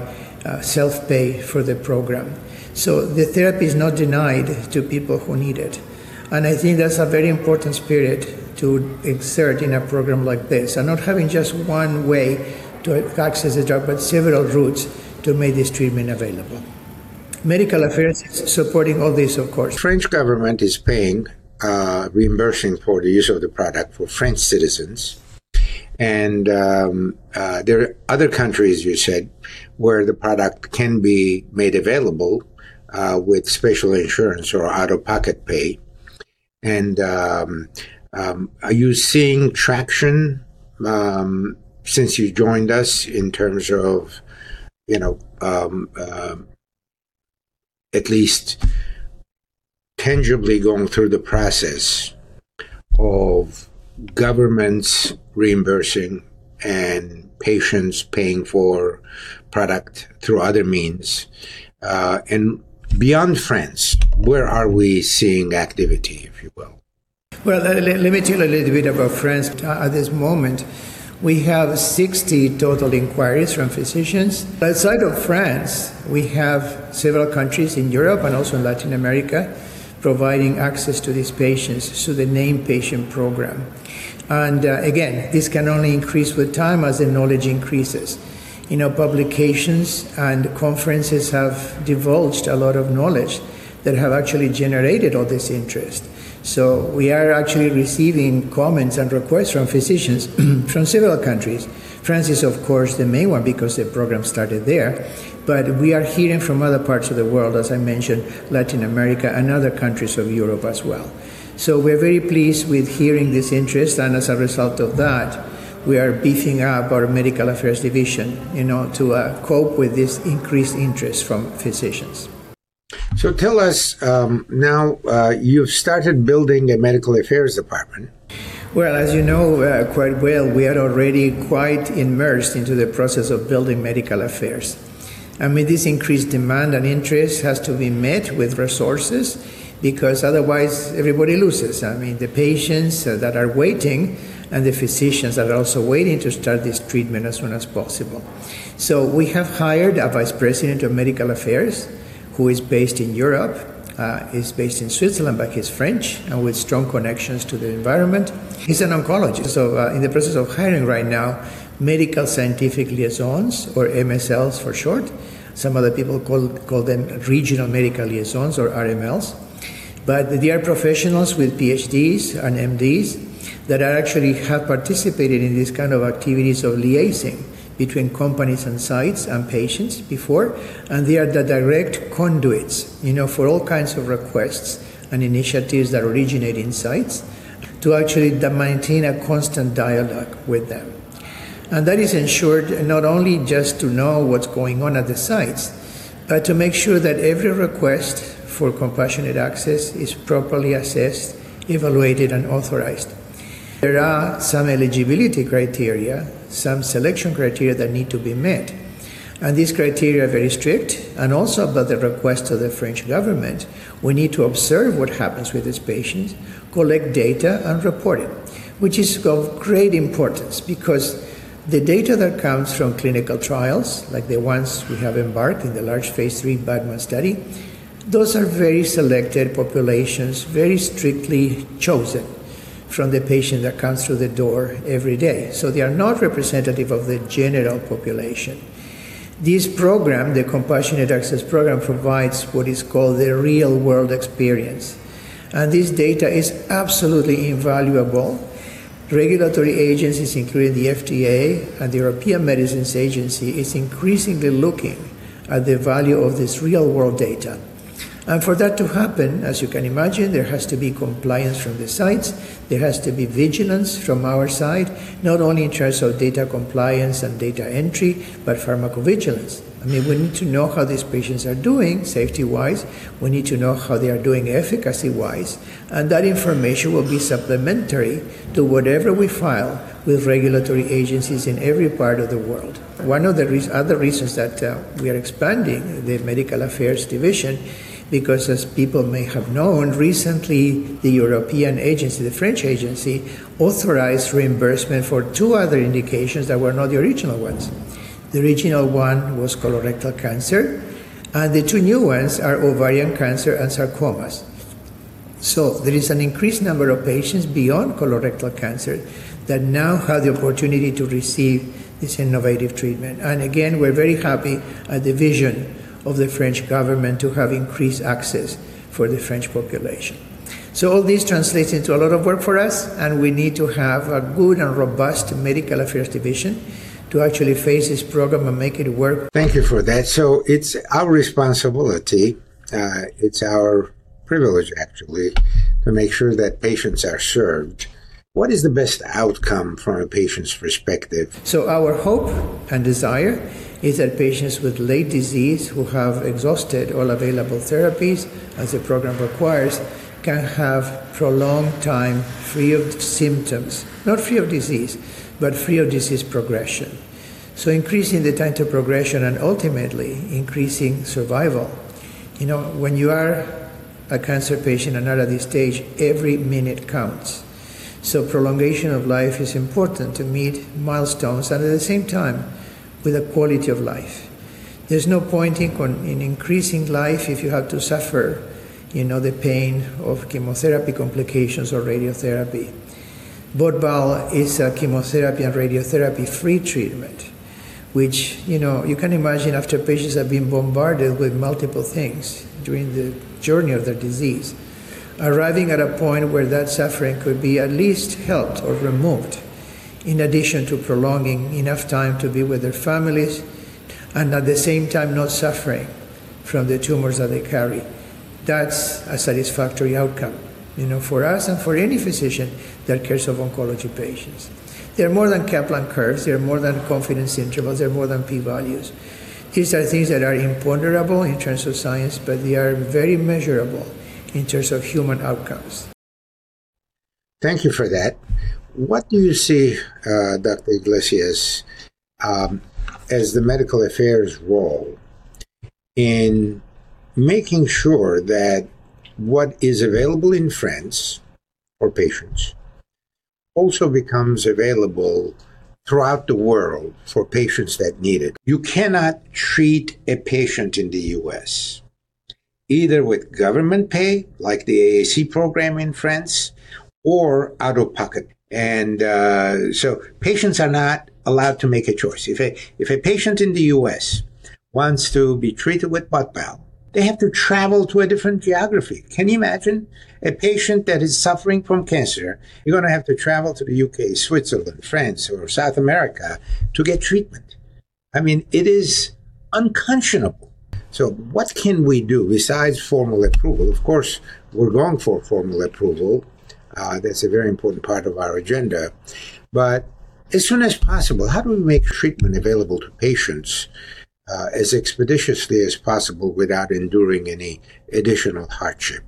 self-pay for the program. So the therapy is not denied to people who need it, and I think that's a very important spirit to exert in a program like this, and not having just one way to access the drug, but several routes to make this treatment available. Medical Affairs is supporting all this, of course. French government is paying, reimbursing for the use of the product for French citizens, and there are other countries, you said, where the product can be made available, with special insurance or out-of-pocket pay. Are you seeing traction, since you joined us in terms of, you know, at least tangibly going through the process of governments reimbursing and patients paying for product through other means? And beyond France, where are we seeing activity, if you will? Well, let me tell you a little bit about France. At this moment, we have 60 total inquiries from physicians. But outside of France, we have several countries in Europe and also in Latin America, providing access to these patients through the Named Patient Program. Again, this can only increase with time as the knowledge increases. You know, publications and conferences have divulged a lot of knowledge that have actually generated all this interest. So we are actually receiving comments and requests from physicians from several countries. France is, of course, the main one because the program started there, but we are hearing from other parts of the world, as I mentioned, Latin America and other countries of Europe as well. So we're very pleased with hearing this interest, and as a result of that, we are beefing up our Medical Affairs division, you know, to cope with this increased interest from physicians. So tell us, now, you've started building a Medical Affairs department? Well, as you know, quite well, we are already quite immersed into the process of building Medical Affairs. I mean, this increased demand and interest has to be met with resources because otherwise everybody loses. I mean, the patients that are waiting and the physicians that are also waiting to start this treatment as soon as possible. So we have hired a vice president of medical affairs, who is based in Europe, is based in Switzerland, but he's French and with strong connections to the environment. He's an oncologist. So, in the process of hiring right now, Medical Science Liaisons, or MSLs for short, some other people call them regional medical liaisons or RMLs. But they are professionals with PhDs and MDs that actually have participated in these kind of activities of liaising between companies and sites and patients before, and they are the direct conduits, you know, for all kinds of requests and initiatives that originate in sites to actually then maintain a constant dialogue with them. And that is ensured not only just to know what's going on at the sites, but to make sure that every request for compassionate access is properly assessed, evaluated, and authorized. There are some eligibility criteria, some selection criteria that need to be met, and these criteria are very strict, and also by the request of the French government, we need to observe what happens with these patients, collect data, and report it, which is of great importance because the data that comes from clinical trials, like the ones we have embarked in the large Phase III BATON study, those are very selected populations, very strictly chosen from the patient that comes through the door every day. So they are not representative of the general population. This program, the Compassionate Access Program, provides what is called the real-world experience, and this data is absolutely invaluable. Regulatory agencies, including the FDA and the European Medicines Agency, is increasingly looking at the value of this real-world data. And for that to happen, as you can imagine, there has to be compliance from the sites. There has to be vigilance from our side, not only in terms of data compliance and data entry, but pharmacovigilance. I mean, we need to know how these patients are doing safety-wise. We need to know how they are doing efficacy-wise, and that information will be supplementary to whatever we file with regulatory agencies in every part of the world. One of the other reasons that we are expanding the medical affairs division, because as people may have known, recently, the European agency, the French agency, authorized reimbursement for two other indications that were not the original ones. The original one was colorectal cancer, and the two new ones are ovarian cancer and sarcomas. There is an increased number of patients beyond colorectal cancer that now have the opportunity to receive this innovative treatment. Again, we're very happy at the vision of the French government to have increased access for the French population. All this translates into a lot of work for us, and we need to have a good and robust medical affairs division to actually face this program and make it work. Thank you for that. So it's our responsibility, it's our privilege actually, to make sure that patients are served. What is the best outcome from a patient's perspective? So our hope and desire is that patients with late disease who have exhausted all available therapies, as the program requires, can have prolonged time, free of symptoms, not free of disease, but free of disease progression. So increasing the time to progression and ultimately increasing survival. You know, when you are a cancer patient and are at this stage, every minute counts. So prolongation of life is important to meet milestones and at the same time, with a quality of life. There's no point in increasing life if you have to suffer, you know, the pain of chemotherapy complications or radiotherapy. BOT/BAL is a chemotherapy and radiotherapy-free treatment, which, you know, you can imagine after patients have been bombarded with multiple things during the journey of their disease, arriving at a point where that suffering could be at least helped or removed, in addition to prolonging enough time to be with their families and at the same time not suffering from the tumors that they carry. That's a satisfactory outcome, you know, for us and for any physician that cares of oncology patients. They're more than Kaplan curves. They're more than confidence intervals. They're more than p-values. These are things that are imponderable in terms of science, but they are very measurable in terms of human outcomes. Thank you for that. What do you see, Dr. Iglesias, as the medical affairs role in making sure that what is available in France for patients also becomes available throughout the world for patients that need it? You cannot treat a patient in the U.S., either with government pay, like the AAC program in France, or out-of-pocket. And so patients are not allowed to make a choice. If a patient in the U.S. wants to be treated with BOT/BAL, they have to travel to a different geography. Can you imagine a patient that is suffering from cancer, you're gonna have to travel to the U.K., Switzerland, France, or South America to get treatment? I mean, it is unconscionable. So what can we do besides formal approval? Of course, we're going for formal approval. That's a very important part of our agenda. But as soon as possible, how do we make treatment available to patients, as expeditiously as possible without enduring any additional hardship?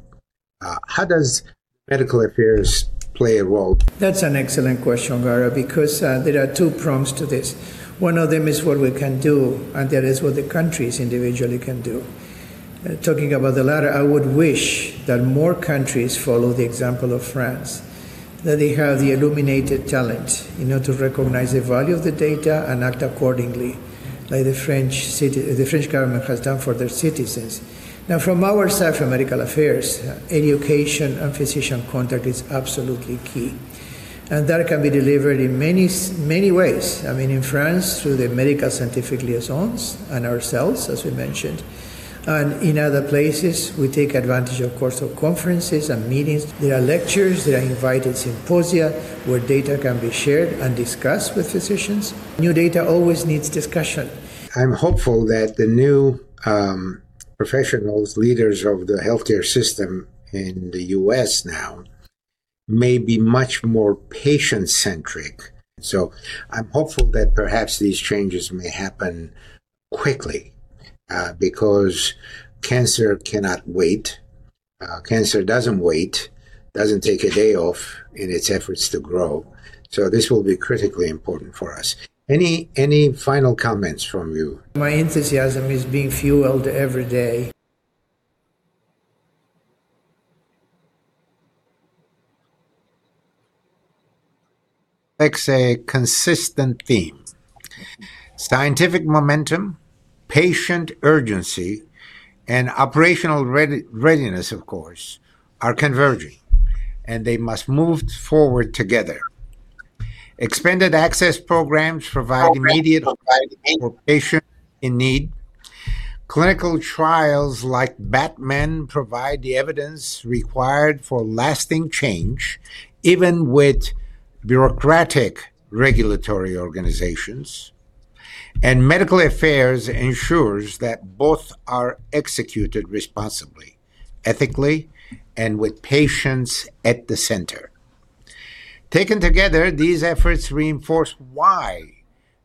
How does medical affairs play a role? That's an excellent question, Garo, because there are two prongs to this. One of them is what we can do, and that is what the countries individually can do. Talking about the latter, I would wish that more countries follow the example of France, that they have the illuminated talent, you know, to recognize the value of the data and act accordingly, like the French government has done for their citizens. Now, from our side, from medical affairs, education and physician contact is absolutely key, and that can be delivered in many ways. I mean, in France, through the medical science liaisons and ourselves, as we mentioned, and in other places, we take advantage, of course, of conferences and meetings. There are lectures, there are invited symposia, where data can be shared and discussed with physicians. New data always needs discussion. I'm hopeful that the new professionals, leaders of the healthcare system in the U.S. now may be much more patient-centric. So I'm hopeful that perhaps these changes may happen quickly, because cancer cannot wait. Cancer doesn't wait, doesn't take a day off in its efforts to grow, so this will be critically important for us. Any final comments from you? My enthusiasm is being fueled every day. Makes a consistent theme. Scientific momentum, patient urgency, and operational readiness, of course, are converging, and they must move forward together. Expanded access programs provide immediate- Programs provide- for patients in need. Clinical trials like BATON provide the evidence required for lasting change, even with bureaucratic regulatory organizations, and Medical Affairs ensures that both are executed responsibly, ethically, and with patients at the center. Taken together, these efforts reinforce why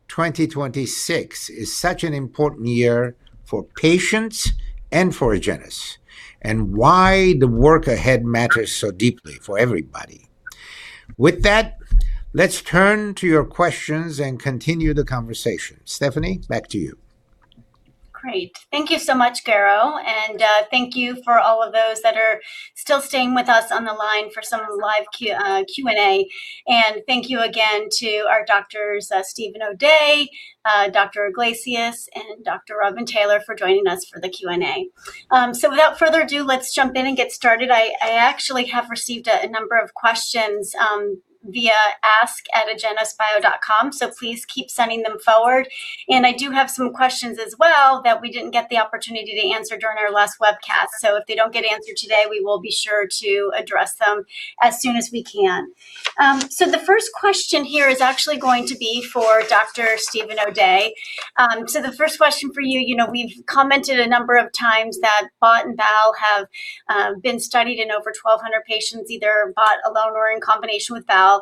2026 is such an important year for patients and for Agenus, and why the work ahead matters so deeply for everybody. With that, let's turn to your questions and continue the conversation. Stephanie, back to you. Great. Thank you so much, Garo, and thank you for all of those that are still staying with us on the line for some live Q&A. And thank you again to our doctors, Steven O'Day, Dr. Iglesias, and Dr. Robin Taylor, for joining us for the Q&A. So without further ado, let's jump in and get started. I actually have received a number of questions via ask@agenusbio.com, so please keep sending them forward. And I do have some questions as well that we didn't get the opportunity to answer during our last webcast, so if they don't get answered today, we will be sure to address them as soon as we can. So the first question here is actually going to be for Dr. Steven O'Day. So the first question for you, you know, we've commented a number of times that BOT and BAL have been studied in over 1,200 patients, either BOT alone or in combination with BAL,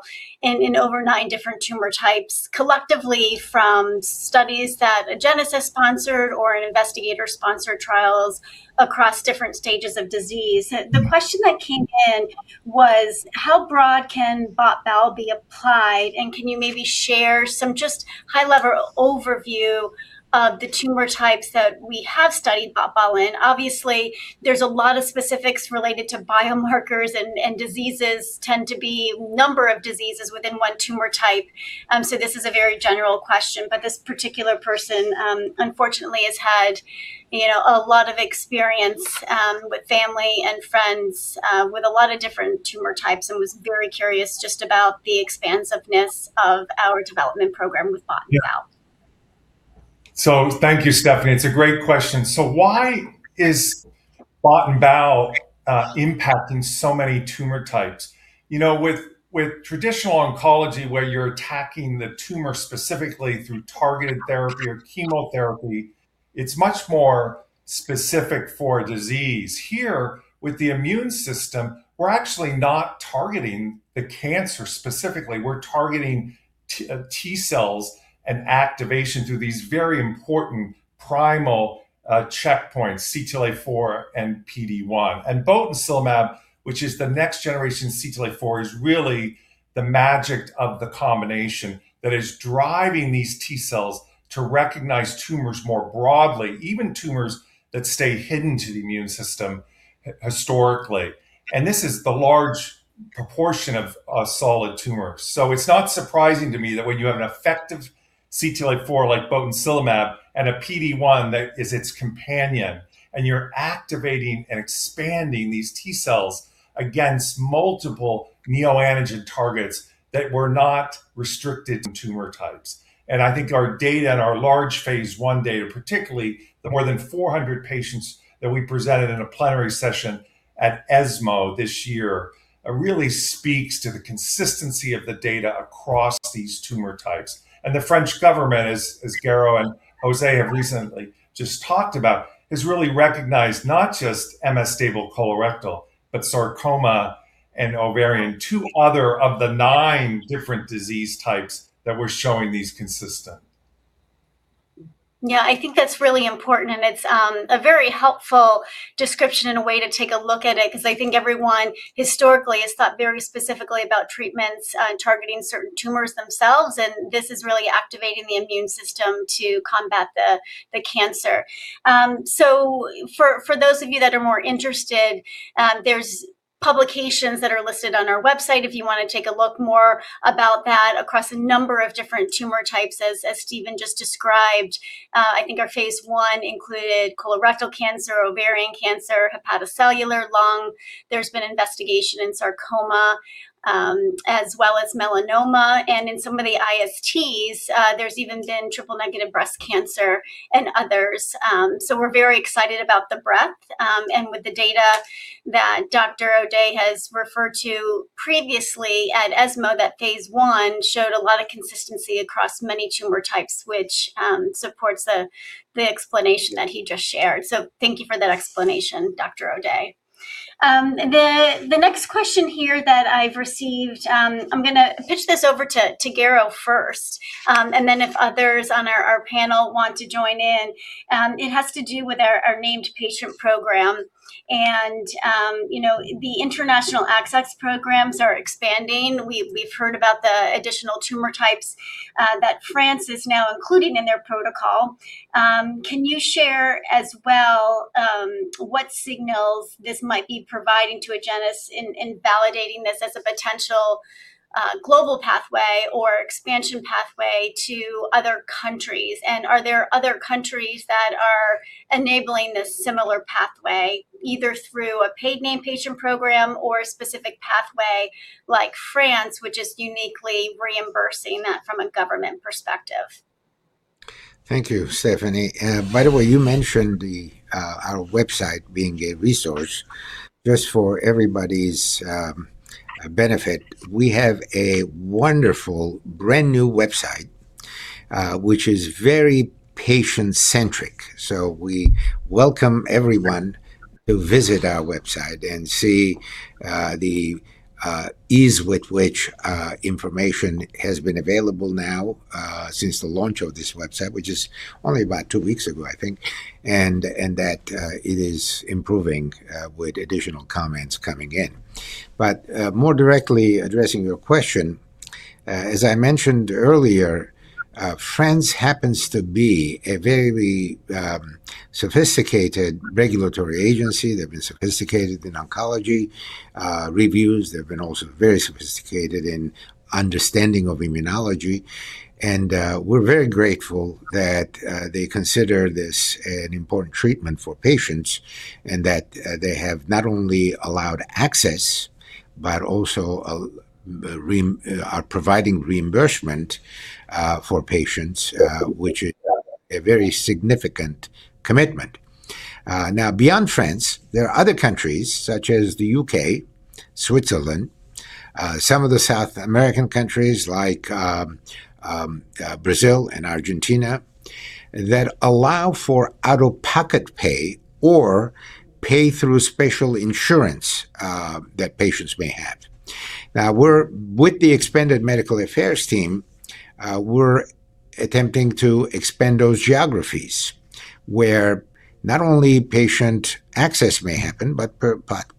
and in over nine different tumor types, collectively from studies that Agenus has sponsored or investigator-sponsored trials across different stages of disease. The question that came in was: how broad can BOT/BAL be applied? And can you maybe share some just high-level overview of the tumor types that we have studied BOT/BAL in? Obviously, there's a lot of specifics related to biomarkers, and diseases tend to be number of diseases within one tumor type, so this is a very general question. This particular person, unfortunately, has had, you know, a lot of experience with family and friends with a lot of different tumor types and was very curious just about the expansiveness of our development program with BOT and BAL. So thank you, Stefanie. It's a great question. So why is BOT and BAL impacting so many tumor types? You know, with traditional oncology, where you're attacking the tumor specifically through targeted therapy or chemotherapy, it's much more specific for a disease. Here, with the immune system, we're actually not targeting the cancer specifically. We're targeting T cells and activation through these very important primal checkpoints, CTLA-4 and PD-1. And botensilimab, which is the next generation CTLA-4, is really the magic of the combination that is driving these T cells to recognize tumors more broadly, even tumors that stay hidden to the immune system historically. And this is the large proportion of solid tumors. So it's not surprising to me that when you have an effective CTLA-4, like botensilimab, and a PD-1 that is its companion, and you're activating and expanding these T cells against multiple neoantigen targets, that we're not restricted to tumor types. I think our data and our large phase I data, particularly the more than 400 patients that we presented in a plenary session at ESMO this year, really speaks to the consistency of the data across these tumor types. The French government, as Garo and Jose have recently just talked about, has really recognized not just MSS-stable colorectal, but sarcoma and ovarian, two other of the nine different disease types that we're showing these consistent. ... Yeah, I think that's really important, and it's a very helpful description and a way to take a look at it, 'cause I think everyone historically has thought very specifically about treatments targeting certain tumors themselves, and this is really activating the immune system to combat the cancer. So for those of you that are more interested, there's publications that are listed on our website if you wanna take a look more about that across a number of different tumor types, as Steven just described. I think our phase 1 included colorectal cancer, ovarian cancer, hepatocellular, lung. There's been investigation in sarcoma, as well as melanoma, and in some of the ISTs, there's even been triple-negative breast cancer and others. So we're very excited about the breadth, and with the data that Dr. O'Day has referred to previously at ESMO, that phase 1 showed a lot of consistency across many tumor types, which, supports the, the explanation that he just shared. So thank you for that explanation, Dr. O'Day. The, the next question here that I've received, I'm gonna pitch this over to, to Garo first, and then if others on our, our panel want to join in. It has to do with our, our named patient program, and, you know, the international access programs are expanding. We've, we've heard about the additional tumor types, that France is now including in their protocol. Can you share as well, what signals this might be providing to Agenus in, in validating this as a potential, global pathway or expansion pathway to other countries? Are there other countries that are enabling this similar pathway, either through a paid named patient program or a specific pathway like France, which is uniquely reimbursing that from a government perspective? Thank you, Stephanie. By the way, you mentioned our website being a resource. Just for everybody's benefit, we have a wonderful, brand-new website, which is very patient-centric. So we welcome everyone to visit our website and see the ease with which information has been available now since the launch of this website, which is only about two weeks ago, I think, and that it is improving with additional comments coming in. But more directly addressing your question, as I mentioned earlier, France happens to be a very sophisticated regulatory agency. They've been sophisticated in oncology reviews. They've been also very sophisticated in understanding of immunology, and we're very grateful that they consider this an important treatment for patients and that they have not only allowed access, but also are providing reimbursement for patients, which is a very significant commitment. Now, beyond France, there are other countries such as the UK, Switzerland, some of the South American countries like Brazil and Argentina, that allow for out-of-pocket pay or pay through special insurance that patients may have. Now, with the expanded medical affairs team, we're attempting to expand those geographies, where not only patient access may happen, but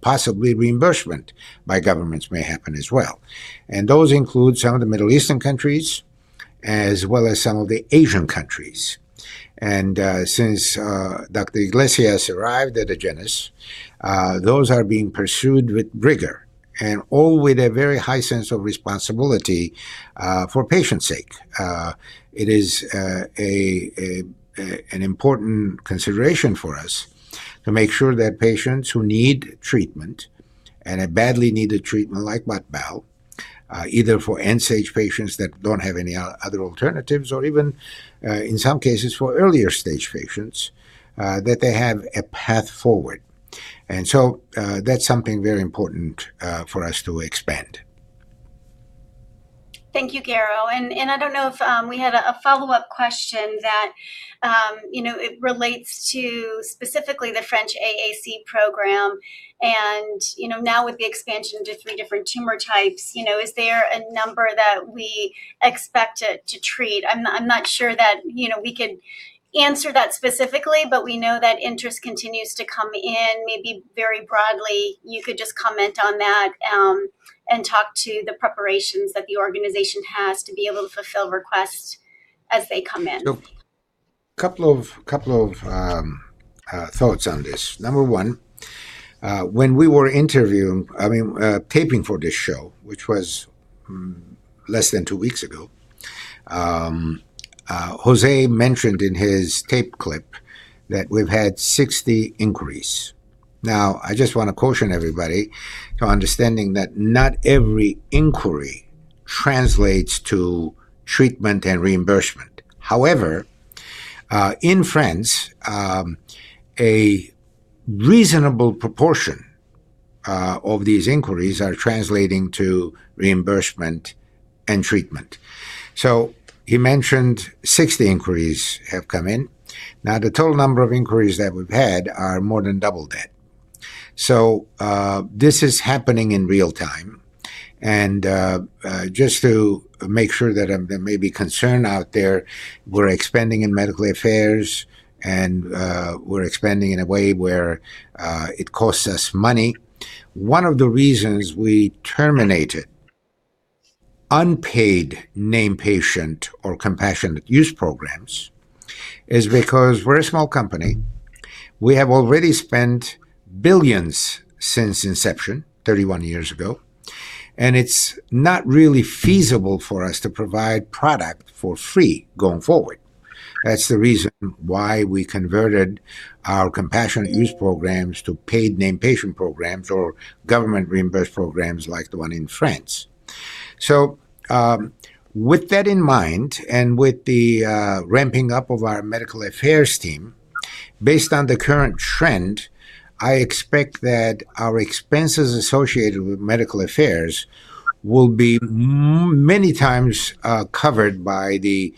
possibly reimbursement by governments may happen as well. And since Dr. Iglesias arrived at Agenus, those are being pursued with rigor and all with a very high sense of responsibility, for patients' sake. It is an important consideration for us to make sure that patients who need treatment and a badly needed treatment like botensilimab, either for end-stage patients that don't have any other alternatives or even, in some cases, for earlier stage patients, that they have a path forward. And so, that's something very important, for us to expand. Thank you, Garo. I don't know if we had a follow-up question that you know, it relates to specifically the French AAC program. You know, now with the expansion to three different tumor types, you know, is there a number that we expect it to treat? I'm not sure that you know, we could answer that specifically, but we know that interest continues to come in. Maybe very broadly, you could just comment on that and talk to the preparations that the organization has to be able to fulfill requests as they come in. So a couple of thoughts on this. Number one, when we were taping for this show, which was less than two weeks ago, Jose mentioned in his tape clip that we've had 60 inquiries. Now, I just wanna caution everybody to understanding that not every inquiry translates to treatment and reimbursement. However, in France, a reasonable proportion of these inquiries are translating to reimbursement and treatment. So he mentioned 60 inquiries have come in. Now, the total number of inquiries that we've had are more than double that.... So, this is happening in real time. And, just to make sure that, there may be concern out there, we're expanding in medical affairs, and, we're expanding in a way where, it costs us money. One of the reasons we terminated unpaid named patient or compassionate use programs is because we're a small company. We have already spent billions since inception, 31 years ago, and it's not really feasible for us to provide product for free going forward. That's the reason why we converted our compassionate use programs to paid named patient programs or government reimbursed programs like the one in France. So, with that in mind, and with the ramping up of our medical affairs team, based on the current trend, I expect that our expenses associated with medical affairs will be many times covered by the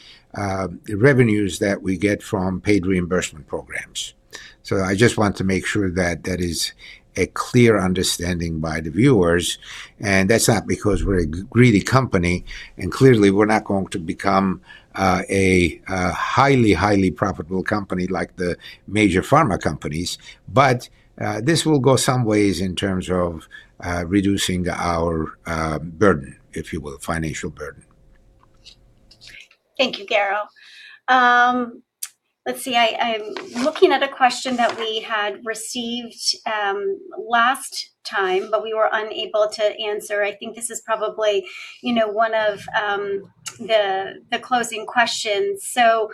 revenues that we get from paid reimbursement programs. So I just want to make sure that that is a clear understanding by the viewers, and that's not because we're a greedy company, and clearly, we're not going to become a highly, highly profitable company like the major pharma companies. But this will go some ways in terms of reducing our burden, if you will, financial burden. Thank you, Garo. Let's see. I'm looking at a question that we had received last time, but we were unable to answer. I think this is probably, you know, one of the closing questions. So,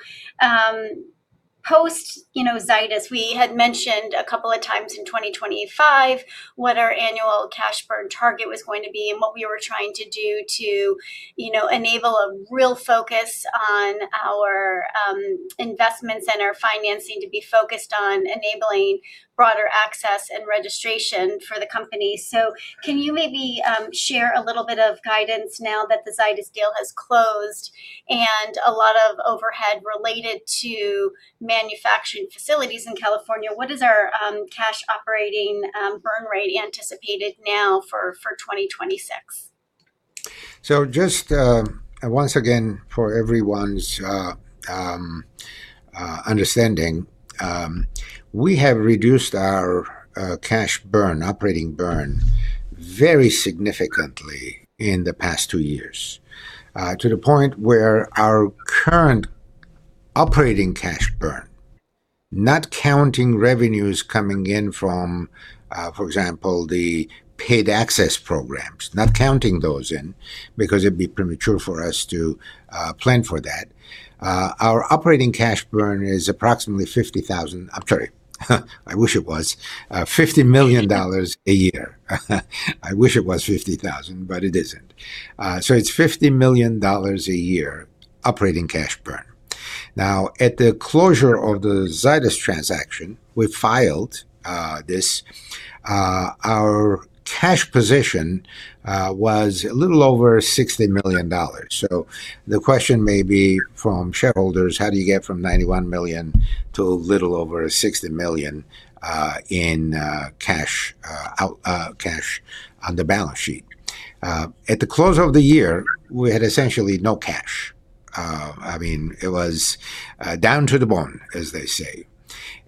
post, you know, Zydus, we had mentioned a couple of times in 2025 what our annual cash burn target was going to be and what we were trying to do to, you know, enable a real focus on our investments and our financing to be focused on enabling broader access and registration for the company. So can you maybe share a little bit of guidance now that the Zydus deal has closed and a lot of overhead related to manufacturing facilities in California? What is our cash operating burn rate anticipated now for 2026? So just once again, for everyone's understanding, we have reduced our cash burn, operating burn, very significantly in the past two years to the point where our current operating cash burn, not counting revenues coming in from, for example, the paid access programs, not counting those in, because it'd be premature for us to plan for that. Our operating cash burn is approximately $50,000... I'm sorry, I wish it was. $50 million a year. I wish it was $50,000, but it isn't. So it's $50 million a year operating cash burn. Now, at the closure of the Zydus transaction, our cash position was a little over $60 million. So the question may be from shareholders, how do you get from $91 million to a little over $60 million in cash on the balance sheet? At the close of the year, we had essentially no cash. I mean, it was down to the bone, as they say.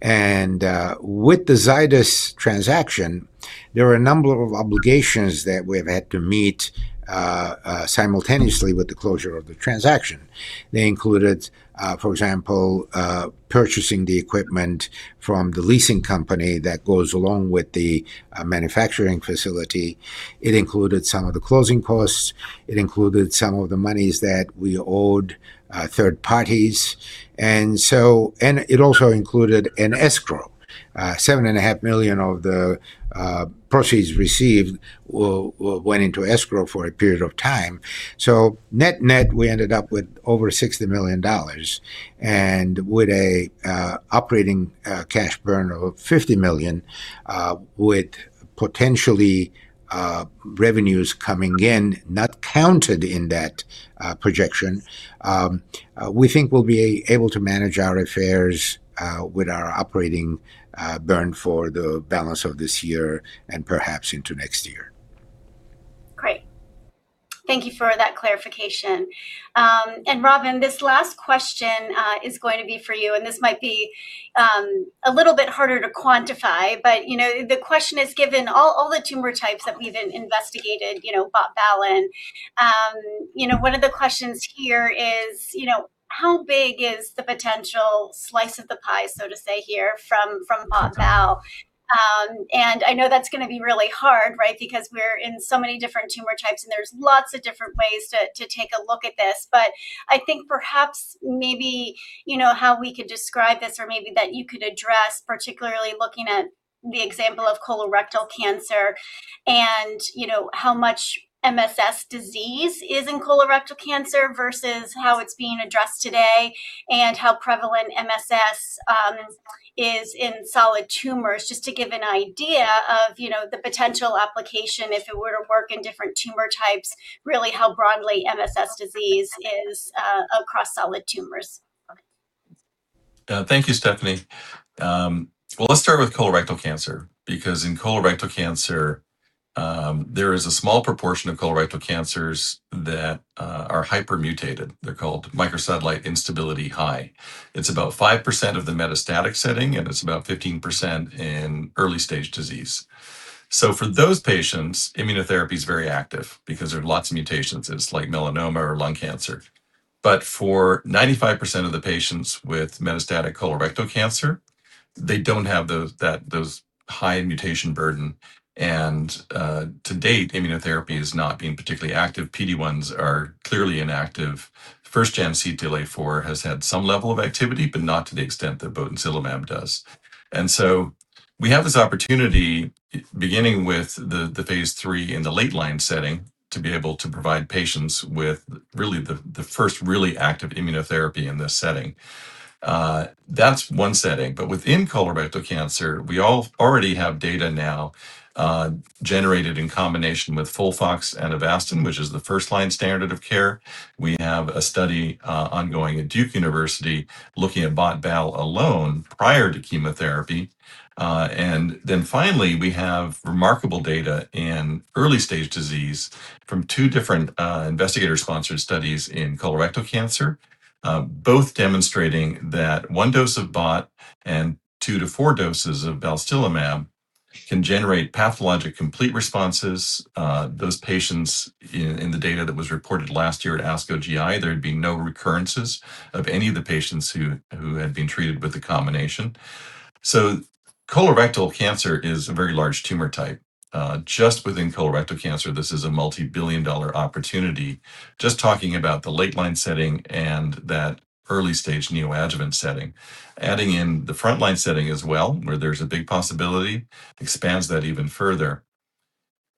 With the Zydus transaction, there were a number of obligations that we've had to meet simultaneously with the closure of the transaction. They included, for example, purchasing the equipment from the leasing company that goes along with the manufacturing facility. It included some of the closing costs, it included some of the monies that we owed third parties, and so, and it also included an escrow. Seven and a half million of the proceeds received went into escrow for a period of time. So net-net, we ended up with over $60 million, and with a operating cash burn of $50 million, with potentially revenues coming in, not counted in that projection, we think we'll be able to manage our affairs, with our operating burn for the balance of this year and perhaps into next year. Great. Thank you for that clarification. And Robin, this last question is going to be for you, and this might be a little bit harder to quantify, but, you know, the question is: given all the tumor types that we've investigated, you know, BOT/BAL, you know, one of the questions here is, you know, how big is the potential slice of the pie, so to say here, from BOT/BAL? And I know that's gonna be really hard, right? Because we're in so many different tumor types, and there's lots of different ways to take a look at this. I think perhaps maybe, you know, how we could describe this, or maybe that you could address, particularly looking at the example of colorectal cancer and, you know, how much MSS disease is in colorectal cancer versus how it's being addressed today, and how prevalent MSS is in solid tumors. Just to give an idea of, you know, the potential application if it were to work in different tumor types, really how broadly MSS disease is across solid tumors.... thank you, Stephanie. Well, let's start with colorectal cancer, because in colorectal cancer, there is a small proportion of colorectal cancers that are hypermutated. They're called microsatellite instability high. It's about 5% of the metastatic setting, and it's about 15% in early-stage disease. So for those patients, immunotherapy is very active because there are lots of mutations. It's like melanoma or lung cancer. But for 95% of the patients with metastatic colorectal cancer, they don't have those high mutation burden, and to date, immunotherapy has not been particularly active. PD-1s are clearly inactive. First gen CTLA-4 has had some level of activity, but not to the extent that botensilimab does. And so we have this opportunity, beginning with the, the phase III in the late-line setting, to be able to provide patients with really the, the first really active immunotherapy in this setting. That's one setting, but within colorectal cancer, we all already have data now, generated in combination with FOLFOX and Avastin, which is the first-line standard of care. We have a study, ongoing at Duke University looking at bot/bal alone prior to chemotherapy. And then finally, we have remarkable data in early-stage disease from two different, investigator-sponsored studies in colorectal cancer, both demonstrating that one dose of bot and two to four doses of balstilimab can generate pathologic complete responses. Those patients in the data that was reported last year at ASCO GI, there had been no recurrences of any of the patients who had been treated with the combination. So colorectal cancer is a very large tumor type. Just within colorectal cancer, this is a multi-billion-dollar opportunity. Just talking about the late-line setting and that early-stage neoadjuvant setting. Adding in the frontline setting as well, where there's a big possibility, expands that even further.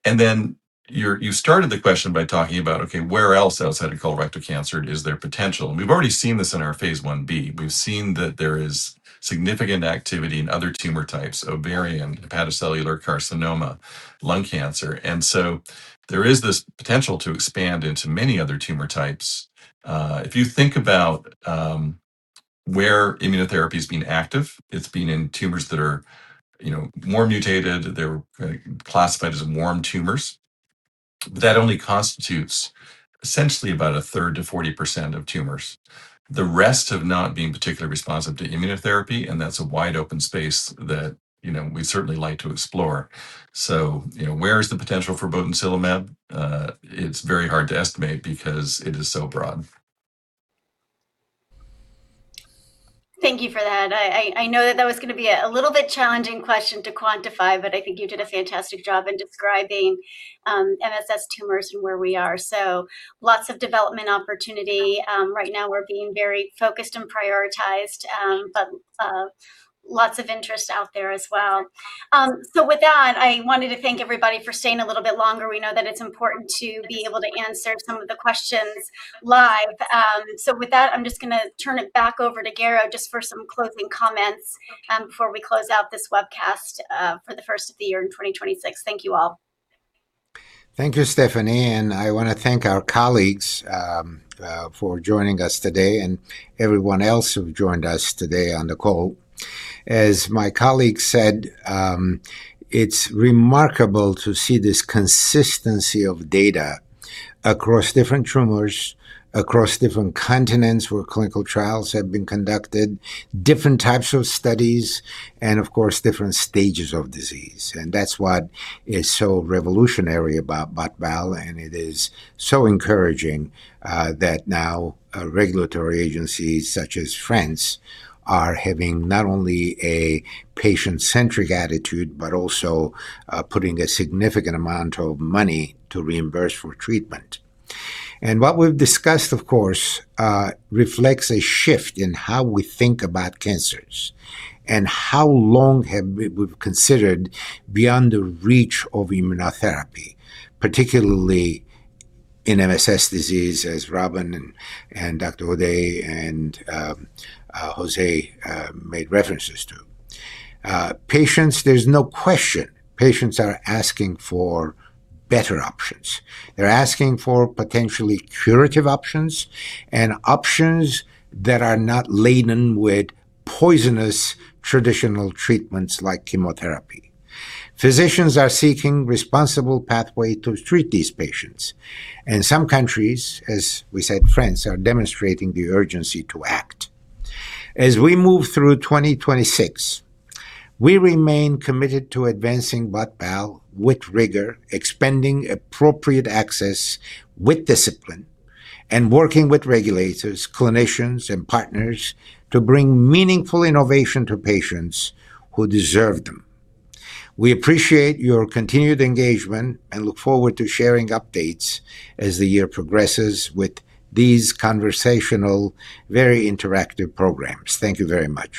And then you started the question by talking about, okay, where else outside of colorectal cancer is there potential? And we've already seen this in our phase Ib. We've seen that there is significant activity in other tumor types: ovarian, hepatocellular carcinoma, lung cancer. And so there is this potential to expand into many other tumor types. If you think about where immunotherapy has been active, it's been in tumors that are, you know, more mutated. They're classified as warm tumors. That only constitutes essentially about a third to 40% of tumors. The rest have not been particularly responsive to immunotherapy, and that's a wide-open space that, you know, we'd certainly like to explore. So, you know, where is the potential for botensilimab? It's very hard to estimate because it is so broad. Thank you for that. I know that that was gonna be a little bit challenging question to quantify, but I think you did a fantastic job in describing MSS tumors and where we are. Lots of development opportunity. Right now, we're being very focused and prioritized, but lots of interest out there as well. So with that, I wanted to thank everybody for staying a little bit longer. We know that it's important to be able to answer some of the questions live. So with that, I'm just gonna turn it back over to Garo just for some closing comments, before we close out this webcast, for the first of the year in 2026. Thank you all. Thank you, Stefanie, and I wanna thank our colleagues for joining us today and everyone else who've joined us today on the call. As my colleague said, it's remarkable to see this consistency of data across different tumors, across different continents, where clinical trials have been conducted, different types of studies, and of course, different stages of disease. That's what is so revolutionary about bot/bal, and it is so encouraging that now regulatory agencies such as France are having not only a patient-centric attitude, but also putting a significant amount of money to reimburse for treatment. What we've discussed, of course, reflects a shift in how we think about cancers and how long we've considered beyond the reach of immunotherapy, particularly in MSS disease, as Robin and Dr. O'Day and Jose made references to. Patients, there's no question patients are asking for better options. They're asking for potentially curative options and options that are not laden with poisonous traditional treatments like chemotherapy. Physicians are seeking responsible pathway to treat these patients, and some countries, as we said, France, are demonstrating the urgency to act. As we move through 2026, we remain committed to advancing bot/bal with rigor, expanding appropriate access with discipline, and working with regulators, clinicians, and partners to bring meaningful innovation to patients who deserve them. We appreciate your continued engagement and look forward to sharing updates as the year progresses with these conversational, very interactive programs. Thank you very much.